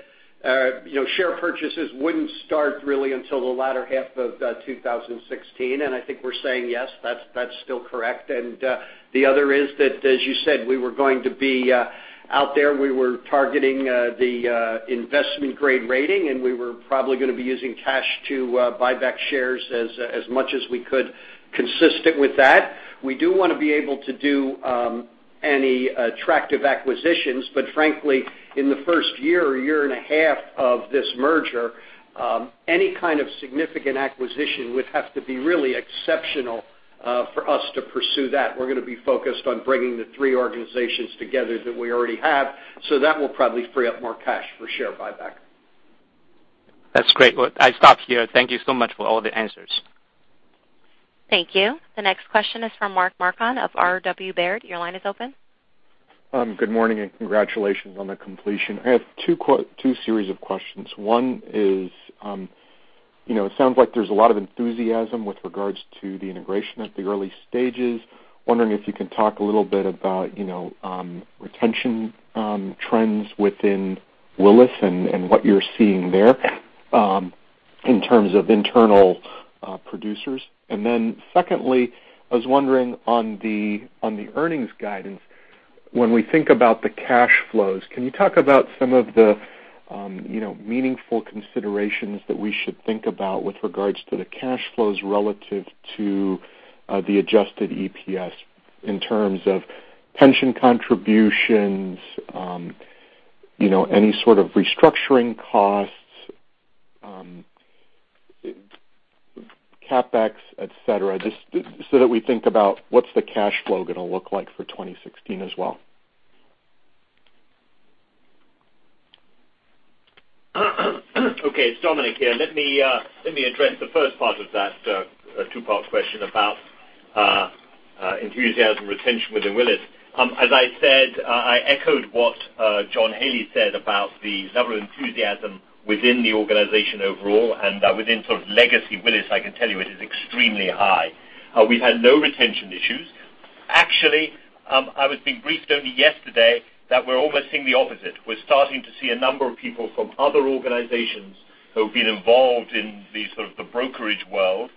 share purchases wouldn't start really until the latter half of 2016, I think we're saying, yes, that's still correct. The other is that, as you said, we were going to be out there, we were targeting the investment-grade rating, and we were probably going to be using cash to buy back shares as much as we could consistent with that. We do want to be able to do any attractive acquisitions, but frankly, in the first year or year and a half of this merger, any kind of significant acquisition would have to be really exceptional for us to pursue that. We're going to be focused on bringing the three organizations together that we already have, that will probably free up more cash for share buyback. That's great. Well, I stop here. Thank you so much for all the answers. Thank you. The next question is from Mark Marcon of R.W. Baird. Your line is open. Good morning, congratulations on the completion. I have two series of questions. One is, it sounds like there's a lot of enthusiasm with regards to the integration at the early stages. Wondering if you can talk a little bit about retention trends within Willis and what you're seeing there in terms of internal producers. Then secondly, I was wondering on the earnings guidance, when we think about the cash flows, can you talk about some of the meaningful considerations that we should think about with regards to the cash flows relative to the adjusted EPS in terms of pension contributions, any sort of restructuring costs, CapEx, et cetera, just that we think about what's the cash flow going to look like for 2016 as well. Okay, it's Dominic here. Let me address the first part of that two-part question about enthusiasm retention within Willis. As I said, I echoed what John Haley said about the level of enthusiasm within the organization overall and within legacy Willis, I can tell you it is extremely high. We've had no retention issues. Actually, I was being briefed only yesterday that we're almost seeing the opposite. We're starting to see a number of people from other organizations who've been involved in the brokerage world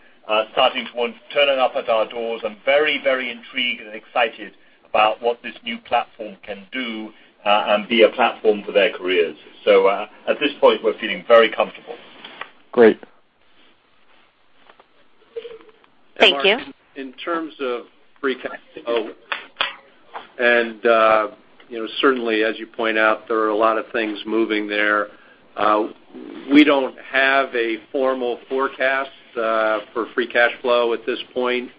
starting to turning up at our doors and very intrigued and excited about what this new platform can do and be a platform for their careers. At this point, we're feeling very comfortable. Great. Thank you. Mark, in terms of free cash flow, certainly as you point out, there are a lot of things moving there. We don't have a formal forecast for free cash flow at this point.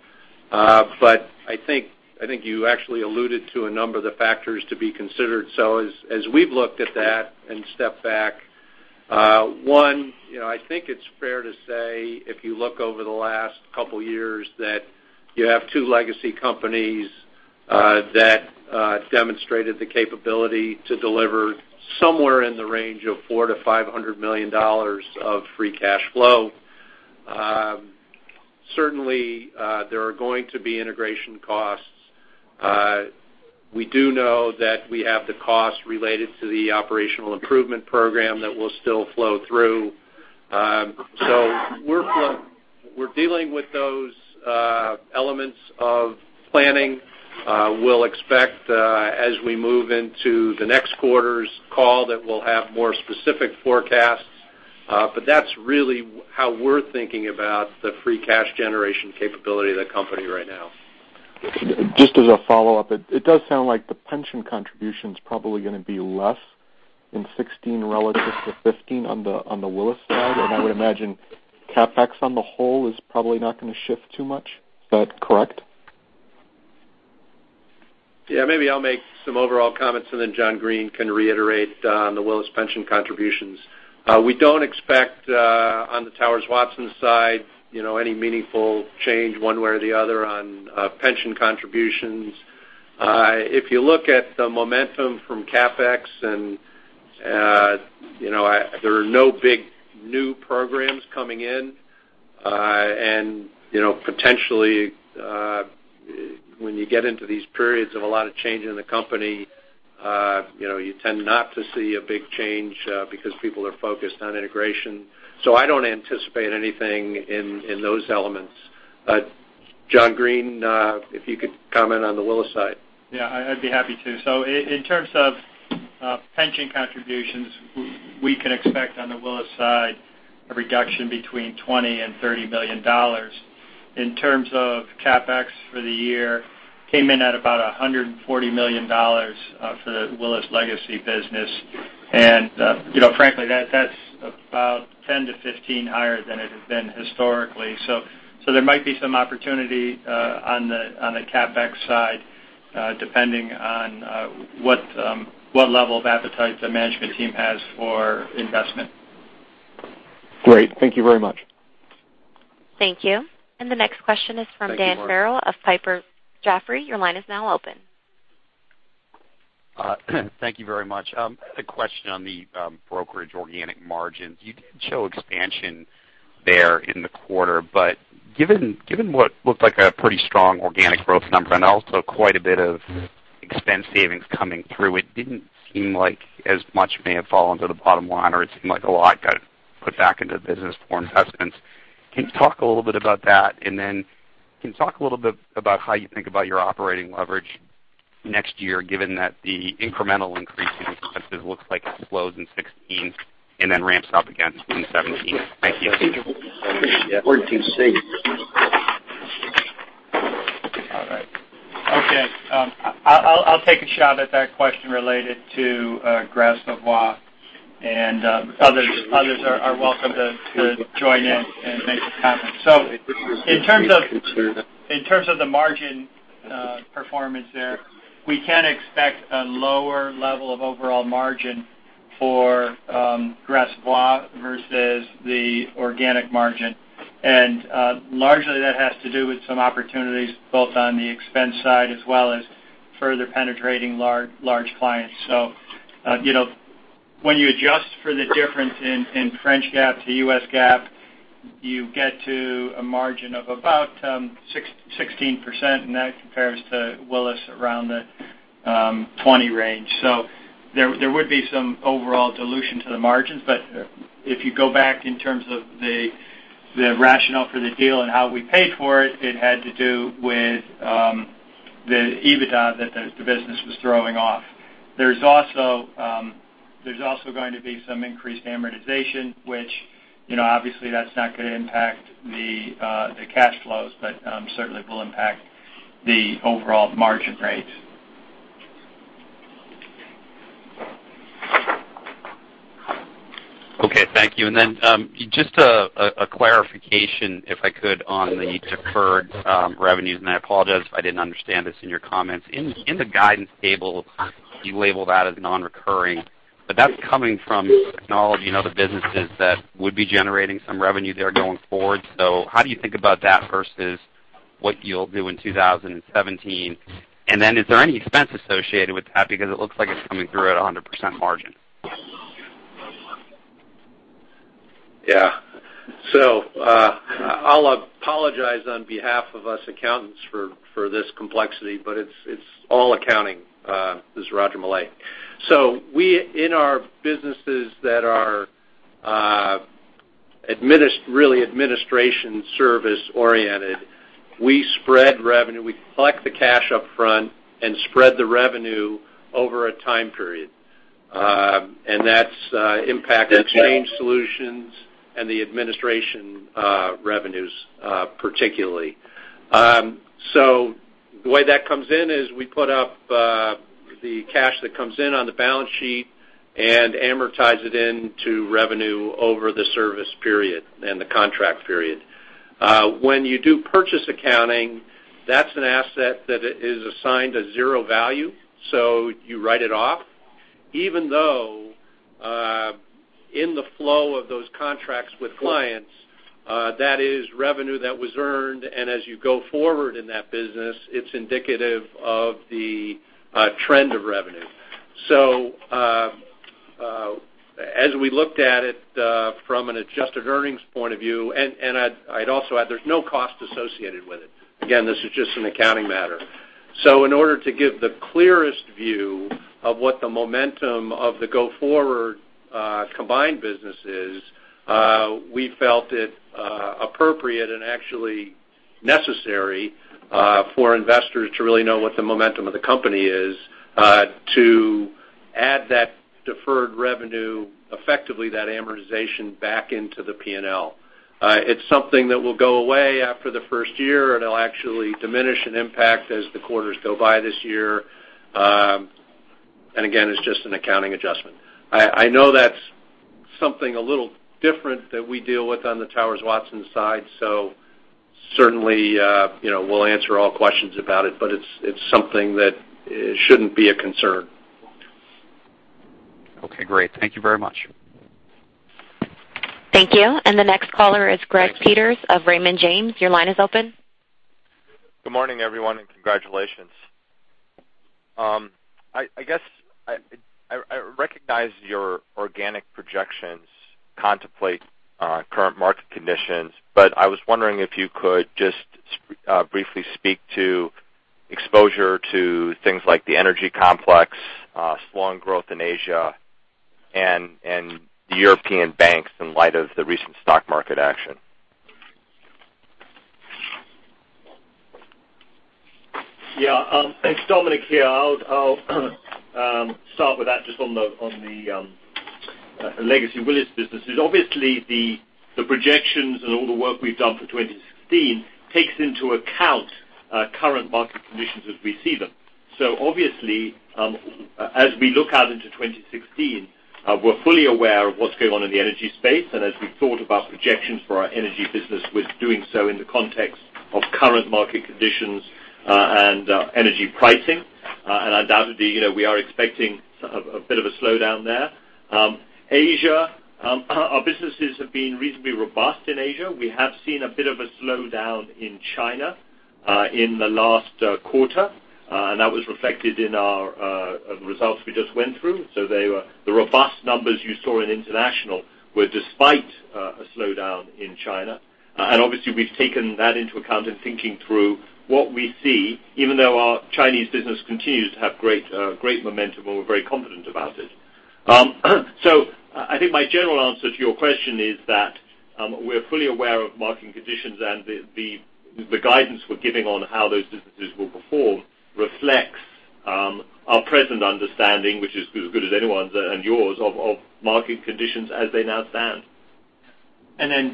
I think you actually alluded to a number of the factors to be considered. As we've looked at that and stepped back, one, I think it's fair to say, if you look over the last couple of years, that you have two legacy companies that demonstrated the capability to deliver somewhere in the range of $400 million-$500 million of free cash flow. Certainly, there are going to be integration costs. We do know that we have the cost related to the Operational Improvement Program that will still flow through. We're dealing with those elements of planning. We'll expect as we move into the next quarter's call that we'll have more specific forecasts. That's really how we're thinking about the free cash generation capability of the company right now. Just as a follow-up, it does sound like the pension contribution is probably going to be less in 2016 relative to 2015 on the Willis side. I would imagine CapEx on the whole is probably not going to shift too much. Is that correct? Maybe I'll make some overall comments and then John Green can reiterate on the Willis pension contributions. We don't expect on the Towers Watson side any meaningful change one way or the other on pension contributions. If you look at the momentum from CapEx and there are no big new programs coming in. Potentially, when you get into these periods of a lot of change in the company, you tend not to see a big change because people are focused on integration. I don't anticipate anything in those elements. John Green, if you could comment on the Willis side. I'd be happy to. In terms of pension contributions, we can expect on the Willis side a reduction between $20 million and $30 million. In terms of CapEx for the year, came in at about $140 million for the Willis legacy business. Frankly, that's about 10 to 15 higher than it has been historically. There might be some opportunity on the CapEx side, depending on what level of appetite the management team has for investment. Great. Thank you very much. Thank you. The next question is from. Thank you, Mark. Daniel Farrell of Piper Jaffray. Your line is now open. Thank you very much. A question on the brokerage organic margins. You did show expansion there in the quarter, but given what looked like a pretty strong organic growth number and also quite a bit of expense savings coming through, it didn't seem like as much may have fallen to the bottom line, or it seemed like a lot got put back into the business for investments. Can you talk a little bit about that? Can you talk a little bit about how you think about your operating leverage next year, given that the incremental increase in expenses looks like it slows in 2016 and then ramps up again in 2017? Thank you. Okay. I'll take a shot at that question related to Gras Savoye, and others are welcome to join in and make a comment. In terms of the margin performance there, we can expect a lower level of overall margin for Gras Savoye versus the organic margin. Largely, that has to do with some opportunities both on the expense side as well as further penetrating large clients. When you adjust for the difference in French GAAP to US GAAP, you get to a margin of about 16%, and that compares to Willis around the 20% range. There would be some overall dilution to the margins. If you go back in terms of the rationale for the deal and how we paid for it had to do with the EBITDA that the business was throwing off. There's also going to be some increased amortization, which obviously that's not going to impact the cash flows, but certainly will impact the overall margin rates. Okay, thank you. Just a clarification, if I could, on the deferred revenues, and I apologize if I didn't understand this in your comments. In the guidance table, you label that as non-recurring, but that's coming from technology and other businesses that would be generating some revenue there going forward. How do you think about that versus what you'll do in 2017? Is there any expense associated with that? Because it looks like it's coming through at 100% margin. Yeah. I'll apologize on behalf of us accountants for this complexity, but it's all accounting. This is Roger Millay. We, in our businesses that are really administration service oriented, we spread revenue. We collect the cash upfront and spread the revenue over a time period. That's impacted exchange solutions and the administration revenues, particularly. The way that comes in is we put up the cash that comes in on the balance sheet and amortize it into revenue over the service period and the contract period. When you do purchase accounting, that's an asset that is assigned a zero value, so you write it off, even though in the flow of those contracts with clients, that is revenue that was earned, and as you go forward in that business, it's indicative of the trend of revenue. As we looked at it from an adjusted earnings point of view, I'd also add, there's no cost associated with it. Again, this is just an accounting matter. In order to give the clearest view of what the momentum of the go-forward combined business is, we felt it appropriate and actually necessary for investors to really know what the momentum of the company is to add that deferred revenue, effectively that amortization back into the P&L. It's something that will go away after the first year, it'll actually diminish in impact as the quarters go by this year. Again, it's just an accounting adjustment. I know that's something a little different that we deal with on the Towers Watson side, certainly we'll answer all questions about it's something that shouldn't be a concern. Okay, great. Thank you very much. Thank you. The next caller is Gregory Peters of Raymond James. Your line is open. Good morning, everyone, and congratulations. I guess I recognize your organic projections contemplate current market conditions, but I was wondering if you could just briefly speak to exposure to things like the energy complex, slowing growth in Asia, and the European banks in light of the recent stock market action. Yeah. Thanks, Dominic. Here, I'll start with that just on the legacy Willis business. Obviously, the projections and all the work we've done for 2016 takes into account current market conditions as we see them. Obviously, as we look out into 2016, we're fully aware of what's going on in the energy space. As we thought about projections for our energy business was doing so in the context of current market conditions and energy pricing. Undoubtedly, we are expecting a bit of a slowdown there. Asia, our businesses have been reasonably robust in Asia. We have seen a bit of a slowdown in China in the last quarter, and that was reflected in our results we just went through. The robust numbers you saw in international were despite a slowdown in China. Obviously, we've taken that into account in thinking through what we see, even though our Chinese business continues to have great momentum, and we're very confident about it. I think my general answer to your question is that we're fully aware of market conditions, and the guidance we're giving on how those businesses will perform reflects our present understanding, which is as good as anyone's, and yours of market conditions as they now stand.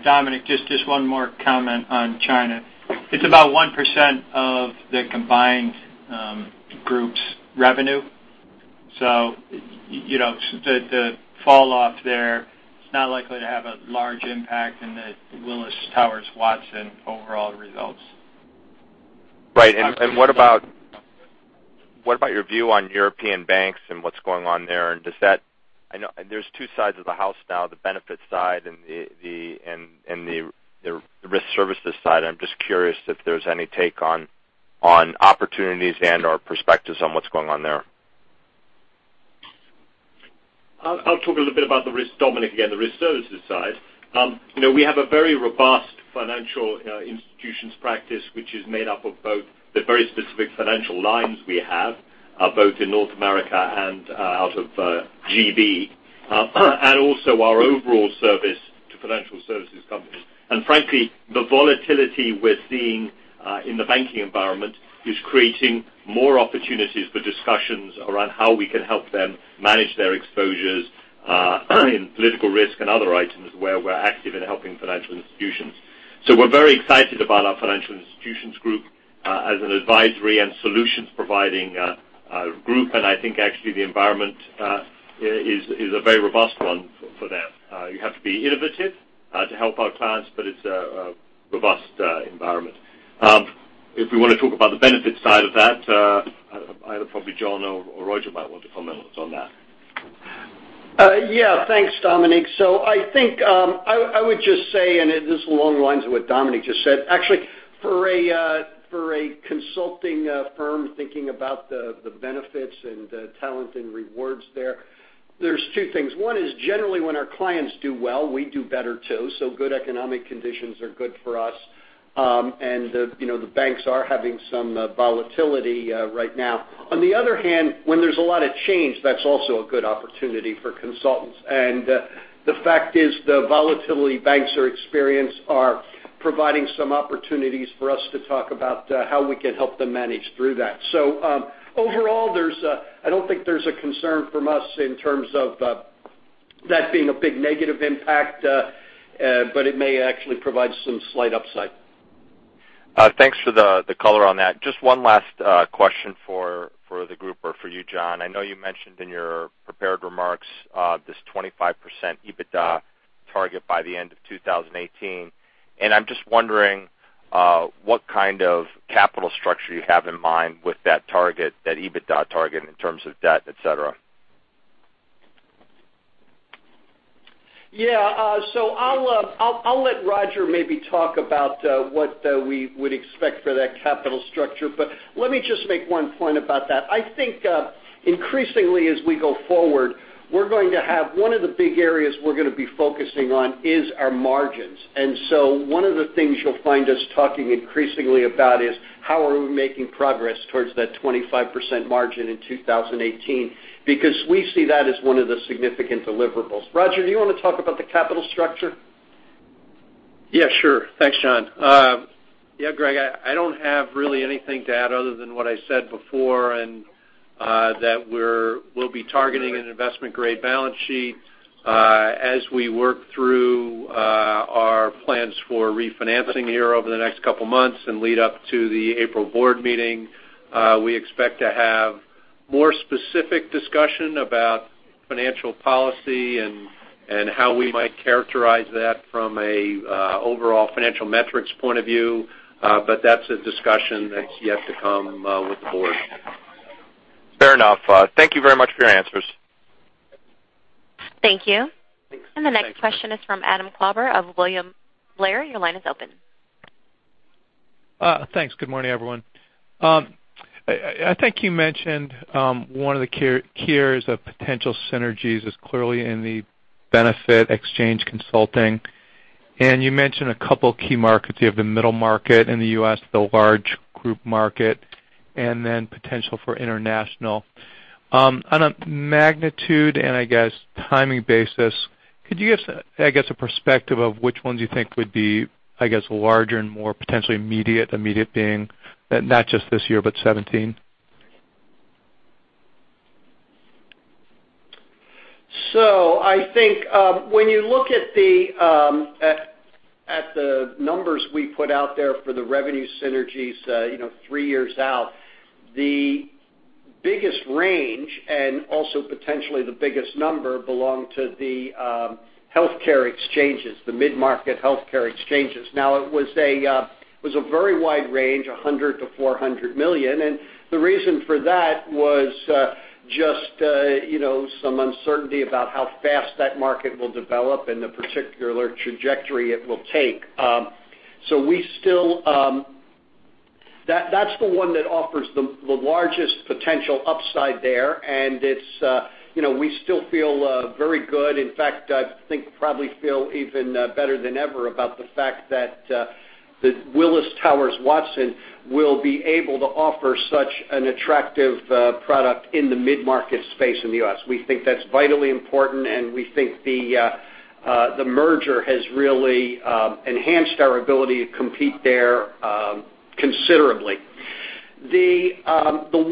Dominic, just one more comment on China. It's about 1% of the combined group's revenue. The fall off there is not likely to have a large impact in the Willis Towers Watson overall results. What about your view on European banks and what's going on there? I know there's two sides of the house now, the benefits side and the risk services side. I'm just curious if there's any take on opportunities and/or perspectives on what's going on there. I'll talk a little bit about the risk, Dominic, again, the risk services side. We have a very robust financial institutions practice, which is made up of both the very specific financial lines we have, both in North America and out of GB and also our overall service to financial services companies. Frankly, the volatility we're seeing in the banking environment is creating more opportunities for discussions around how we can help them manage their exposures in political risk and other items where we're active in helping financial institutions. We're very excited about our financial institutions group as an advisory and solutions providing group. I think actually the environment is a very robust one for them. You have to be innovative to help our clients, but it's a robust environment. If we want to talk about the benefits side of that either probably John or Roger might want to comment on that. Yeah. Thanks, Dominic. I think I would just say, and this is along the lines of what Dominic just said, actually, for a consulting firm thinking about the benefits and talent and rewards there's two things. One is generally when our clients do well, we do better too. Good economic conditions are good for us. The banks are having some volatility right now. On the other hand, when there's a lot of change, that's also a good opportunity for consultants. The fact is the volatility banks are experiencing are providing some opportunities for us to talk about how we can help them manage through that. Overall, I don't think there's a concern from us in terms of that being a big negative impact, but it may actually provide some slight upside. Thanks for the color on that. Just one last question for the group or for you, John. I know you mentioned in your prepared remarks this 25% EBITDA target by the end of 2018. I'm just wondering what kind of capital structure you have in mind with that EBITDA target in terms of debt, et cetera. Yeah. I'll let Roger maybe talk about what we would expect for that capital structure. Let me just make one point about that. I think increasingly as we go forward, one of the big areas we're going to be focusing on is our margins. One of the things you'll find us talking increasingly about is how are we making progress towards that 25% margin in 2018, because we see that as one of the significant deliverables. Roger, do you want to talk about the capital structure? Yeah, sure. Thanks, John. Yeah, Greg, I don't have really anything to add other than what I said before, we'll be targeting an investment-grade balance sheet as we work through our plans for refinancing here over the next couple of months and lead up to the April board meeting. We expect to have more specific discussion about financial policy and how we might characterize that from an overall financial metrics point of view. That's a discussion that's yet to come with the board. Fair enough. Thank you very much for your answers. Thank you. Thanks. The next question is from Adam Klaber of William Blair. Your line is open. Thanks. Good morning, everyone. I think you mentioned one of the key areas of potential synergies is clearly in the benefit exchange consulting, and you mentioned a couple key markets. You have the middle market in the U.S., the large group market, and then potential for international. On a magnitude and, I guess, timing basis, could you give, I guess, a perspective of which ones you think would be larger and more potentially immediate? Immediate being not just this year, but 2017. I think when you look at the numbers we put out there for the revenue synergies three years out, the biggest range and also potentially the biggest number belong to the healthcare exchanges, the mid-market healthcare exchanges. Now, it was a very wide range, $100 million-$400 million, and the reason for that was just some uncertainty about how fast that market will develop and the particular trajectory it will take. That's the one that offers the largest potential upside there, and we still feel very good. In fact, I think probably feel even better than ever about the fact that Willis Towers Watson will be able to offer such an attractive product in the mid-market space in the U.S. We think that's vitally important, and we think the merger has really enhanced our ability to compete there considerably. The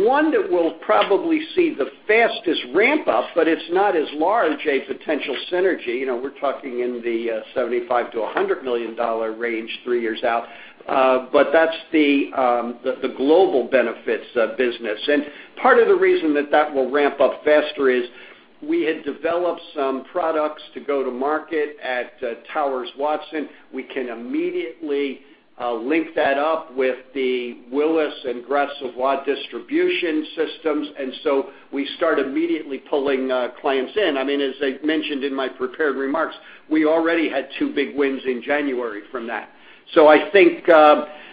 one that will probably see the fastest ramp-up, it's not as large a potential synergy. We're talking in the $75 million-$100 million range three years out, that's the global benefits business. Part of the reason that that will ramp up faster is we had developed some products to go to market at Towers Watson. We can immediately link that up with the Willis and Gras Savoye distribution systems, we start immediately pulling clients in. As I mentioned in my prepared remarks, we already had two big wins in January from that. I think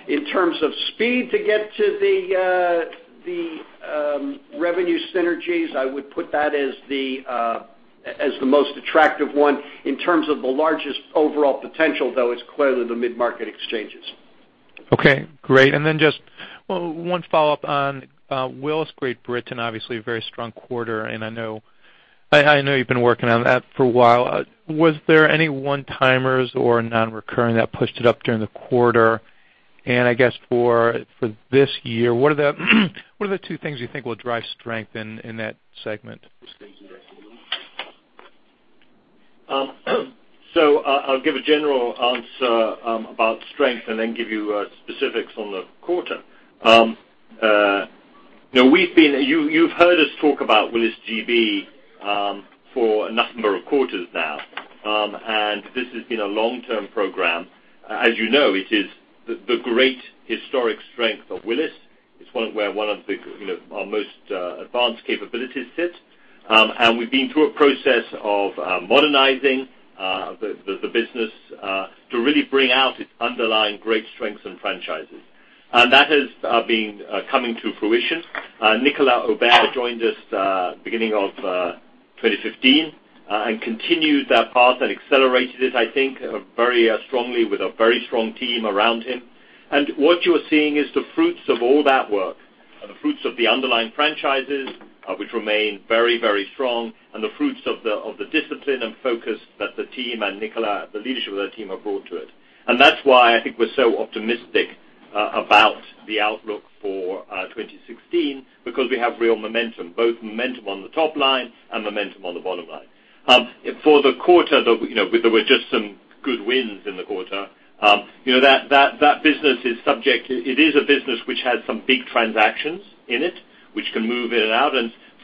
in terms of speed to get to the revenue synergies, I would put that as the most attractive one. In terms of the largest overall potential, though, it's clearly the mid-market exchanges. Okay, great. Just one follow-up on Willis Great Britain, obviously a very strong quarter, I know you've been working on that for a while. Was there any one-timers or non-recurring that pushed it up during the quarter? I guess for this year, what are the two things you think will drive strength in that segment? I'll give a general answer about strength, give you specifics on the quarter. You've heard us talk about Willis GB for a number of quarters now, this has been a long-term program. As you know, it is the great historic strength of Willis. It's where one of our most advanced capabilities sit. We've been through a process of modernizing the business to really bring out its underlying great strengths and franchises. That has been coming to fruition. Nicolas Aubert joined us beginning of 2015 and continued that path and accelerated it, I think, very strongly with a very strong team around him. What you are seeing is the fruits of all that work, the fruits of the underlying franchises, which remain very strong, the fruits of the discipline and focus that the team and Nicolas, the leadership of the team, have brought to it. That's why I think we're so optimistic about the outlook for 2016, because we have real momentum, both momentum on the top line and momentum on the bottom line. For the quarter, there were just some good wins in the quarter. That business is subject. It is a business which has some big transactions in it, which can move in and out.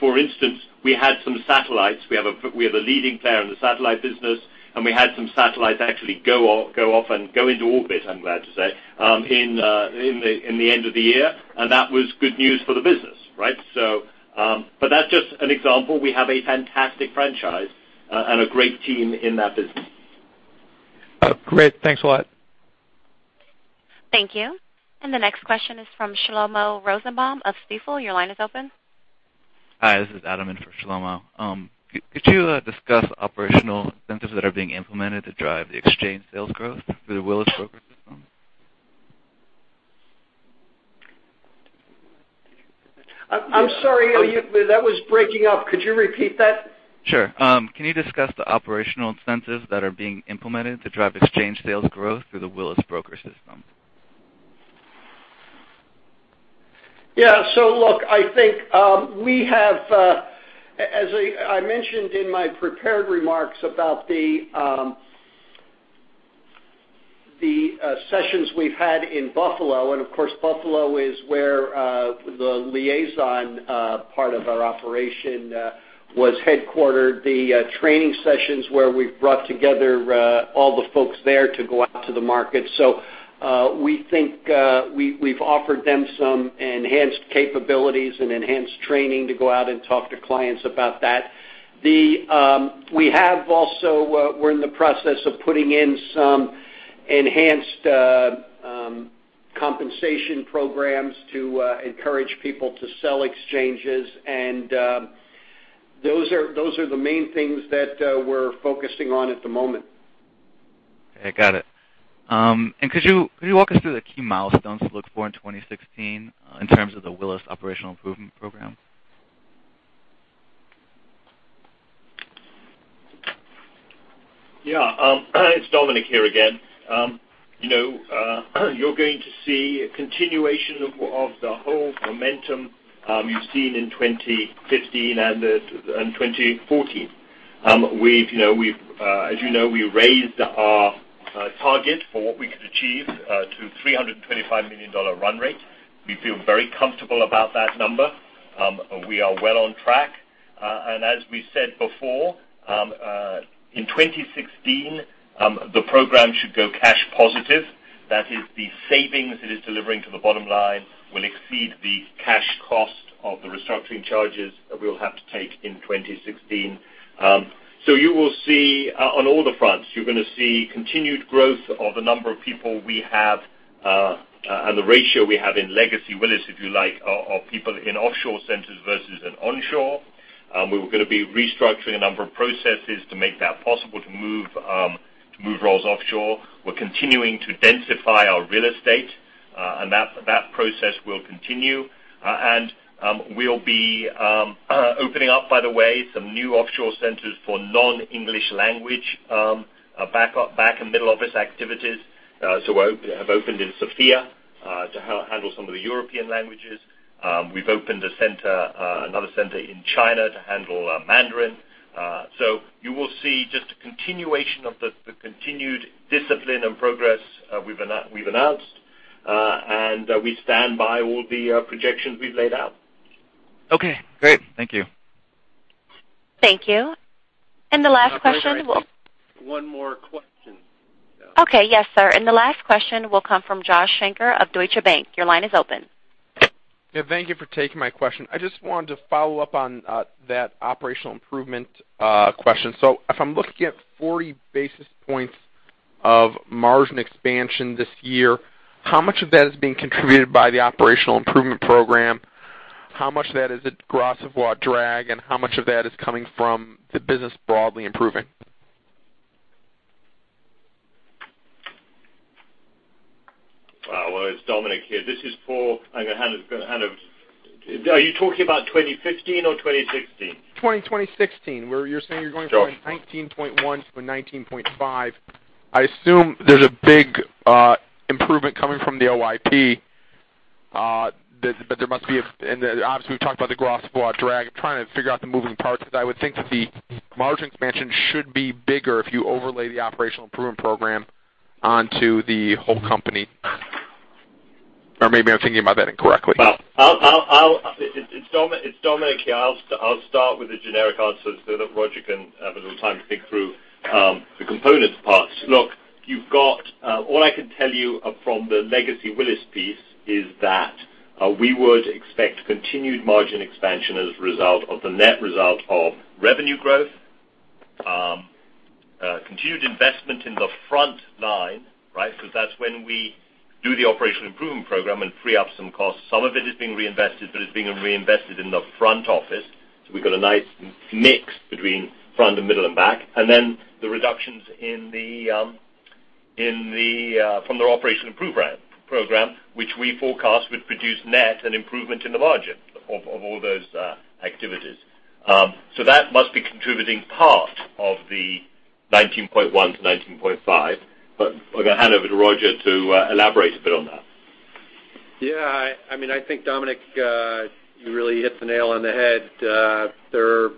For instance, we had some satellites. We have a leading player in the satellite business, we had some satellites actually go off and go into orbit, I'm glad to say, in the end of the year. That was good news for the business, right? That's just an example. We have a fantastic franchise and a great team in that business. Great. Thanks a lot. Thank you. The next question is from Shlomo Rosenbaum of Stifel. Your line is open. Hi, this is Adam in for Shlomo. Could you discuss operational incentives that are being implemented to drive the exchange sales growth through the Willis broker system? I'm sorry. That was breaking up. Could you repeat that? Sure. Can you discuss the operational incentives that are being implemented to drive exchange sales growth through the Willis broker system? Look, as I mentioned in my prepared remarks about the sessions we've had in Buffalo, and of course, Buffalo is where the Liazon part of our operation was headquartered, the training sessions where we've brought together all the folks there to go out to the market. We think we've offered them some enhanced capabilities and enhanced training to go out and talk to clients about that. We're in the process of putting in some enhanced compensation programs to encourage people to sell exchanges. Those are the main things that we're focusing on at the moment. Okay, got it. Could you walk us through the key milestones to look for in 2016 in terms of the Willis Operational Improvement Program? Yeah. It's Dominic here again. You're going to see a continuation of the whole momentum you've seen in 2015 and 2014. As you know, we raised our target for what we could achieve to $325 million run rate. We feel very comfortable about that number. We are well on track. As we said before, in 2016, the program should go cash positive. That is, the savings it is delivering to the bottom line will exceed the cash cost of the restructuring charges that we will have to take in 2016. You will see on all the fronts, you're going to see continued growth of the number of people we have, and the ratio we have in legacy Willis, if you like, of people in offshore centers versus in onshore. We were going to be restructuring a number of processes to make that possible to move roles offshore. We're continuing to densify our real estate, and that process will continue. We'll be opening up, by the way, some new offshore centers for non-English language back and middle office activities. We have opened in Sofia to handle some of the European languages. We've opened another center in China to handle Mandarin. You will see just a continuation of the continued discipline and progress we've announced. We stand by all the projections we've laid out. Okay, great. Thank you. Thank you. The last question will- One more question. Okay. Yes, sir. The last question will come from Joshua Shanker of Deutsche Bank. Your line is open. Yeah. Thank you for taking my question. I just wanted to follow up on that operational improvement question. If I'm looking at 40 basis points of margin expansion this year, how much of that is being contributed by the operational improvement program? How much of that is at Gras Savoye drag, and how much of that is coming from the business broadly improving? Well, it's Dominic here. Are you talking about 2015 or 2016? 2016, where you're saying you're going from. Gras Savoye 19.1% to 19.5%. I assume there's a big improvement coming from the OIP, but there must be. Obviously, we've talked about the Gras Savoye drag. I'm trying to figure out the moving parts, I would think that the margin expansion should be bigger if you overlay the operational improvement program onto the whole company. Maybe I'm thinking about that incorrectly. It's Dominic here. I'll start with a generic answer so that Roger can have a little time to think through the component parts. All I can tell you from the legacy Willis piece is that we would expect continued margin expansion as a result of the net result of revenue growth, continued investment in the front line, right? That's when we do the operational improvement program and free up some costs. Some of it is being reinvested, but it's being reinvested in the front office. We've got a nice mix between front and middle and back. The reductions from the operation improvement program, which we forecast would produce net an improvement in the margin of all those activities. That must be contributing part of the 19.1% to 19.5%. I'm going to hand over to Roger to elaborate a bit on that. Yeah. I think, Dominic, you really hit the nail on the head. There are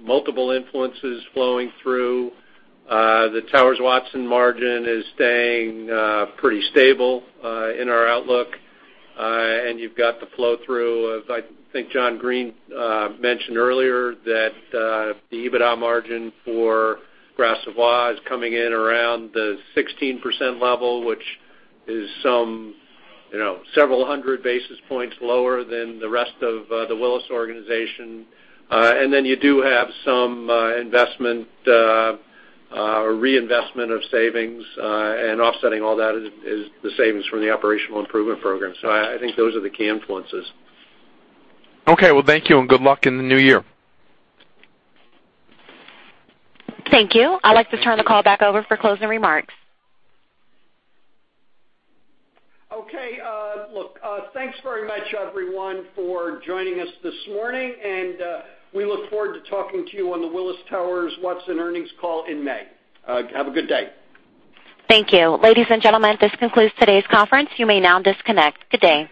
multiple influences flowing through. The Towers Watson margin is staying pretty stable in our outlook. You've got the flow-through of, I think John Green mentioned earlier that the EBITDA margin for Gras Savoye is coming in around the 16% level, which is several hundred basis points lower than the rest of the Willis organization. You do have some investment or reinvestment of savings, and offsetting all that is the savings from the operational improvement program. I think those are the key influences. Okay. Well, thank you, and good luck in the new year. Thank you. I'd like to turn the call back over for closing remarks. Okay. Look, thanks very much, everyone, for joining us this morning, and we look forward to talking to you on the Willis Towers Watson earnings call in May. Have a good day. Thank you. Ladies and gentlemen, this concludes today's conference. You may now disconnect. Good day.